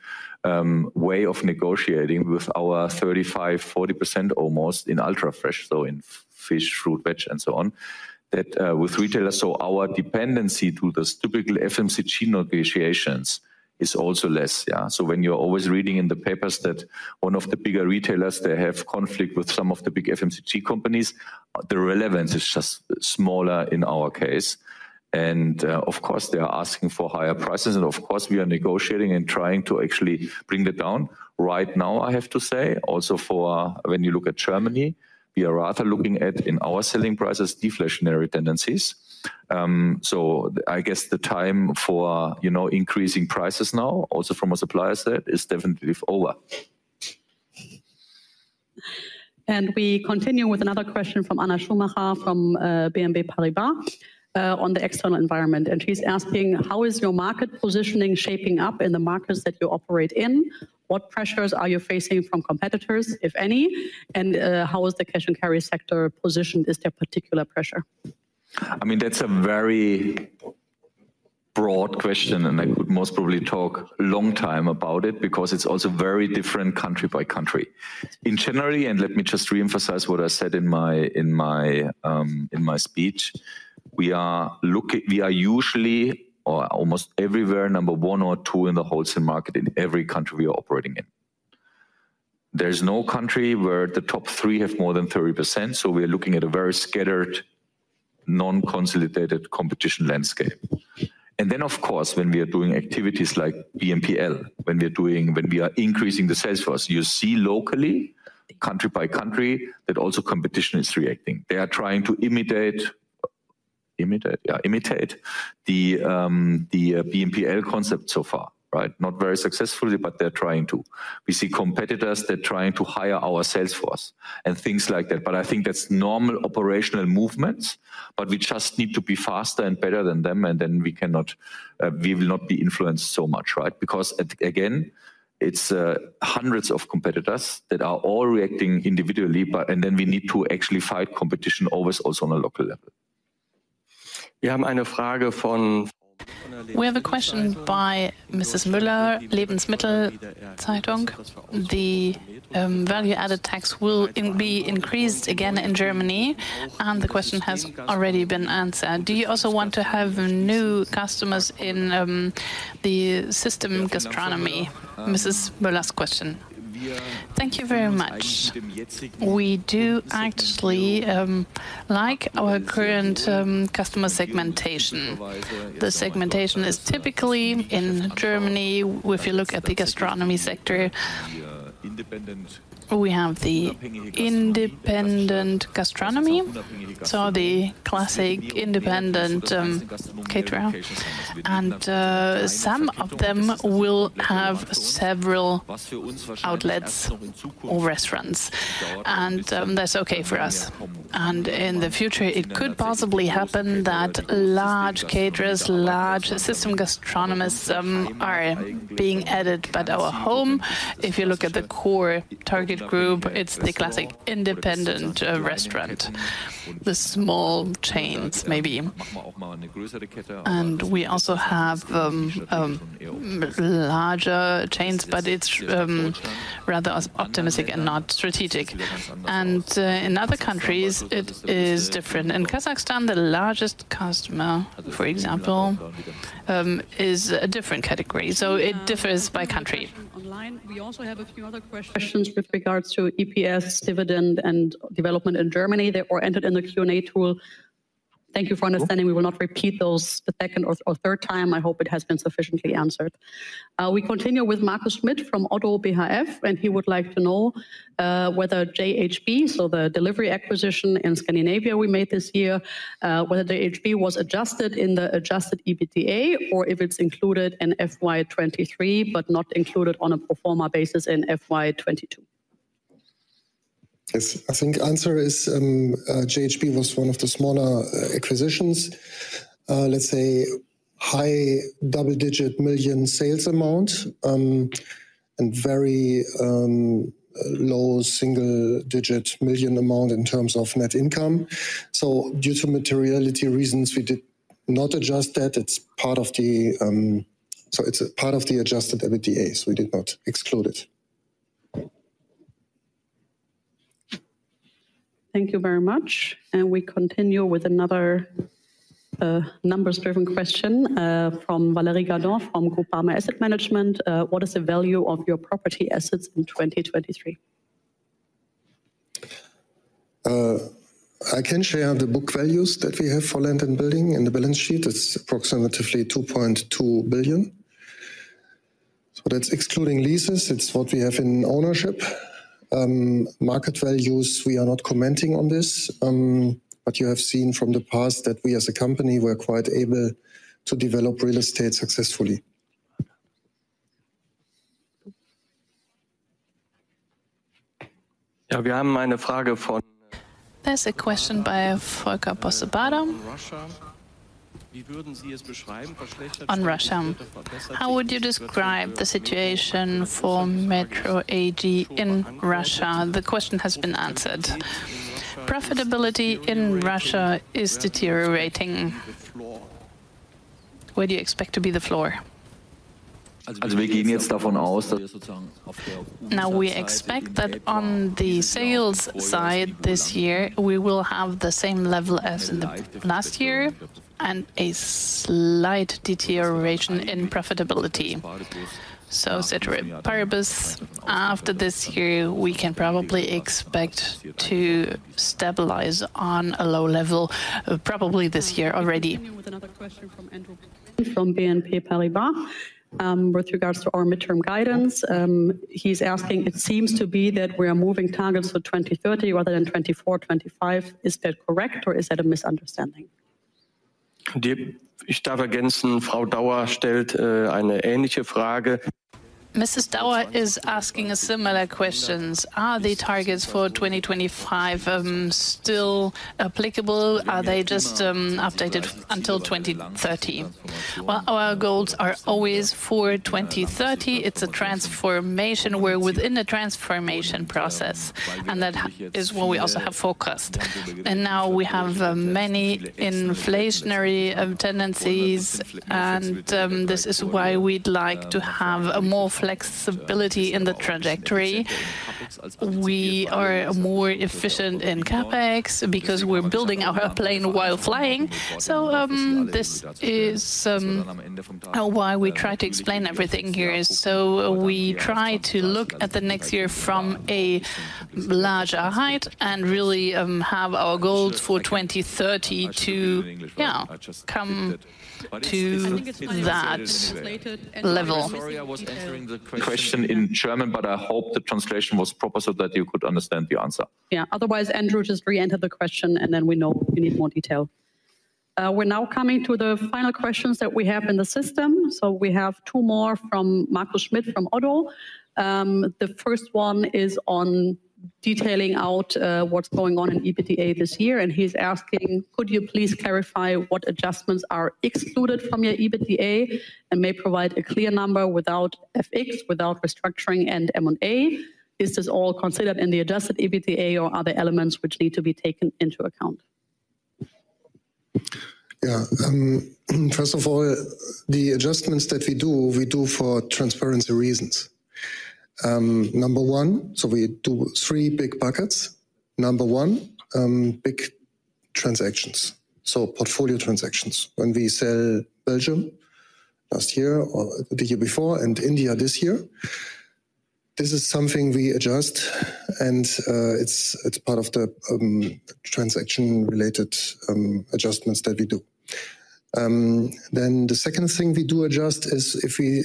way of negotiating with our 35%-40% almost in ultra-fresh, so in fish, fruit, veg, and so on, that with retailers. So our dependency to those typical FMCG negotiations is also less, yeah. So when you're always reading in the papers that one of the bigger retailers, they have conflict with some of the big FMCG companies, the relevance is just smaller in our case. And of course, they are asking for higher prices, and of course, we are negotiating and trying to actually bring that down. Right now, I have to say, also for when you look at Germany, we are rather looking at, in our selling prices, deflationary tendencies. So I guess the time for, you know, increasing prices now, also from a supplier side, is definitely over. We continue with another question from Anna Schumacher, from BNP Paribas, on the external environment, and she's asking: How is your market positioning shaping up in the markets that you operate in? What pressures are you facing from competitors, if any? And, how is the cash-and-carry sector positioned? Is there particular pressure? I mean, that's a very broad question, and I could most probably talk a long time about it because it's also very different country by country. In general, and let me just reemphasize what I said in my speech, we are usually, or almost everywhere, number one or two in the wholesale market in every country we are operating in. There is no country where the top three have more than 30%, so we are looking at a very scattered, non-consolidated competition landscape. And then, of course, when we are doing activities like BMPL, when we are increasing the sales force, you see locally, country by country, that also competition is reacting. They are trying to imitate the BMPL concept so far, right? Not very successfully, but they're trying to. We see competitors, they're trying to hire our sales force and things like that, but I think that's normal operational movements, but we just need to be faster and better than them, and then we cannot, we will not be influenced so much, right? Because, again, it's hundreds of competitors that are all reacting individually, but and then we need to actually fight competition always also on a local level. We have a question by Mrs. Müller, Lebensmittel Zeitung. The value-added tax will in be increased again in Germany, and the question has already been answered. Do you also want to have new customers in the system gastronomy? Mrs. Müller's question. Thank you very much. We do actually like our current customer segmentation. The segmentation is typically in Germany, if you look at the gastronomy sector, we have the independent gastronomy, so the classic independent caterer. And some of them will have several outlets or restaurants, and that's okay for us. And in the future, it could possibly happen that large caterers, large system gastronomists are being added. But our home, if you look at the core target group, it's the classic independent restaurant, the small chains, maybe. And we also have larger chains, but it's rather optimistic and not strategic. And in other countries, it is different. In Kazakhstan, the largest customer, for example, is a different category, so it differs by country. Online, we also have a few other questions with regards to EPS, dividend, and development in Germany. They were entered in the Q&A tool. ... Thank you for understanding. We will not repeat those a second or, or third time. I hope it has been sufficiently answered. We continue with Marco Schmid from Oddo BHF, and he would like to know whether AGM, so the delivery acquisition in Scandinavia we made this year, whether AGM was adjusted in the adjusted EBITDA, or if it's included in FY 2023, but not included on a pro forma basis in FY 2022. Yes, I think answer is, AGM was one of the smaller acquisitions. Let's say high double-digit million EUR sales amount, and very low single-digit million EUR amount in terms of net income. So due to materiality reasons, we did not adjust that. So it's a part of the adjusted EBITDA, so we did not exclude it. Thank you very much. We continue with another, numbers-driven question, from Valerie Gardon, from Groupama Asset Management. What is the value of your property assets in 2023? I can share the book values that we have for land and building in the balance sheet. It's approximately 2.2 billion. So that's excluding leases, it's what we have in ownership. Market values, we are not commenting on this, but you have seen from the past that we, as a company, we're quite able to develop real estate successfully. Yeah, there's a question by Volker Bosse on Russia. How would you describe the situation for Metro AG in Russia? The question has been answered. Profitability in Russia is deteriorating. Where do you expect to be the floor? Now, we expect that on the sales side this year, we will have the same level as in the last year, and a slight deterioration in profitability. So, after this year, we can probably expect to stabilize on a low level, probably this year already. Continuing with another question from Andrew, from BNP Paribas, with regards to our midterm guidance. He's asking: It seems to be that we are moving targets for 2030 rather than 2024, 2025. Is that correct, or is that a misunderstanding? Mrs. Dauer is asking a similar question. Are the targets for 2025 still applicable? Are they just updated until 2030? Well, our goals are always for 2030. It's a transformation. We're within a transformation process, and that is what we also have focused. And now we have many inflationary tendencies, and this is why we'd like to have a more flexibility in the trajectory. We are more efficient in CapEx because we're building our plane while flying. So, this is why we try to explain everything here. So we try to look at the next year from a larger height and really have our goals for 2030 to, yeah, come to that level. I think it's been translated- Sorry, I was answering the question in German, but I hope the translation was proper so that you could understand the answer. Yeah. Otherwise, Andrew, just re-enter the question, and then we know we need more detail. We're now coming to the final questions that we have in the system. So we have two more from Marco Schmid, from Oddo. The first one is on detailing out, what's going on in EBITDA this year, and he's asking: Could you please clarify what adjustments are excluded from your EBITDA, and may provide a clear number without FX, without restructuring, and M&A? Is this all considered in the adjusted EBITDA, or are there elements which need to be taken into account? Yeah. First of all, the adjustments that we do, we do for transparency reasons. Number one, so we do three big buckets. Number one, big transactions, so portfolio transactions. When we sell Belgium last year or the year before, and India this year, this is something we adjust, and, it's, it's part of the, transaction-related, adjustments that we do. Then the second thing we do adjust is if we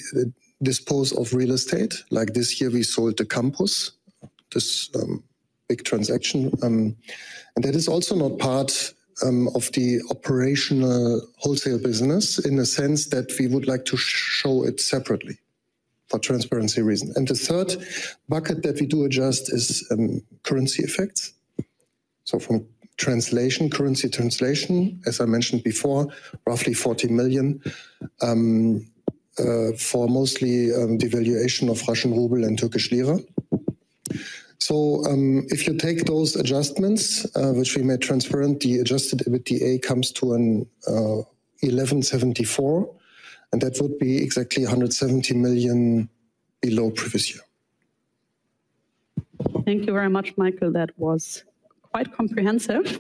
dispose of real estate, like this year, we sold the campus, this, big transaction. And that is also not part, of the operational wholesale business in the sense that we would like to show it separately for transparency reason. And the third bucket that we do adjust is, currency effects. From translation, currency translation, as I mentioned before, roughly 40 million for mostly devaluation of Russian ruble and Turkish lira. If you take those adjustments, which we made transparent, the adjusted EBITDA comes to 1,174, and that would be exactly 170 million below previous year.... Thank you very much, Michael. That was quite comprehensive.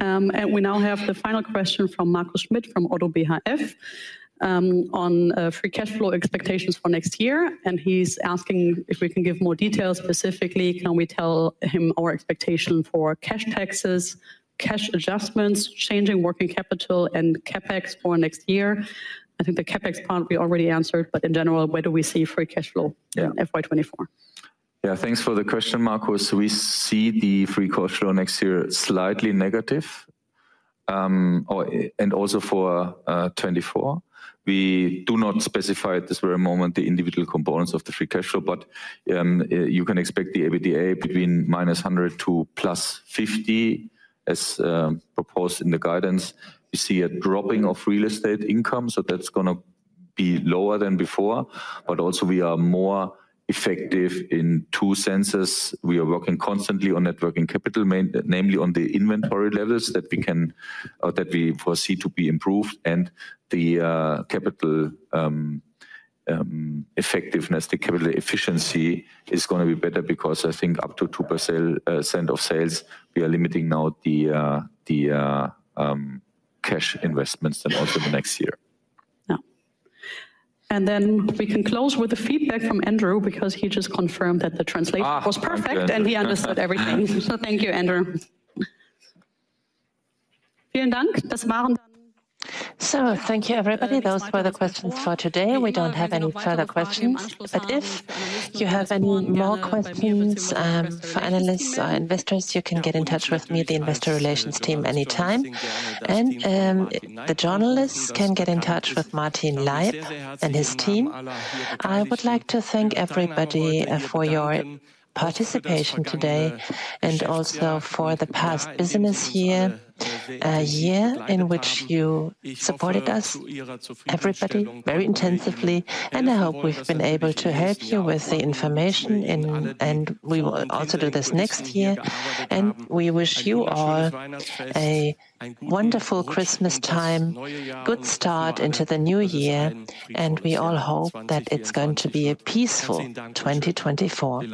And we now have the final question from Marco Schmid, from Oddo BHF, on free cash flow expectations for next year, and he's asking if we can give more details. Specifically, can we tell him our expectation for cash taxes, cash adjustments, change in working capital, and CapEx for next year? I think the CapEx part we already answered, but in general, where do we see free cash flow- Yeah. - in FY 2024? Yeah, thanks for the question, Marco. So we see the free cash flow next year slightly negative, or, and also for 2024. We do not specify at this very moment the individual components of the free cash flow, but you can expect the EBITDA between -100 to +50, as proposed in the guidance. You see a drop in real estate income, so that's gonna be lower than before. But also we are more effective in two senses. We are working constantly on net working capital, namely on the inventory levels that we can, or that we foresee to be improved, and the capital effectiveness, the capital efficiency is gonna be better because I think up to 2% of sales, we are limiting now the cash investments than also the next year. Yeah. And then we can close with the feedback from Andrew, because he just confirmed that the translation- Ah! Was perfect, and he understood everything. So thank you, Andrew. So thank you, everybody. Those were the questions for today. We don't have any further questions, but if you have any more questions for analysts or investors, you can get in touch with me, the investor relations team, anytime. And the journalists can get in touch with Martin Laib and his team. I would like to thank everybody for your participation today, and also for the past business year, a year in which you supported us, everybody, very intensively, and I hope we've been able to help you with the information, and we will also do this next year. And we wish you all a wonderful Christmas time, good start into the new year, and we all hope that it's going to be a peaceful twenty twenty-four.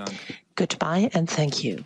Goodbye, and thank you.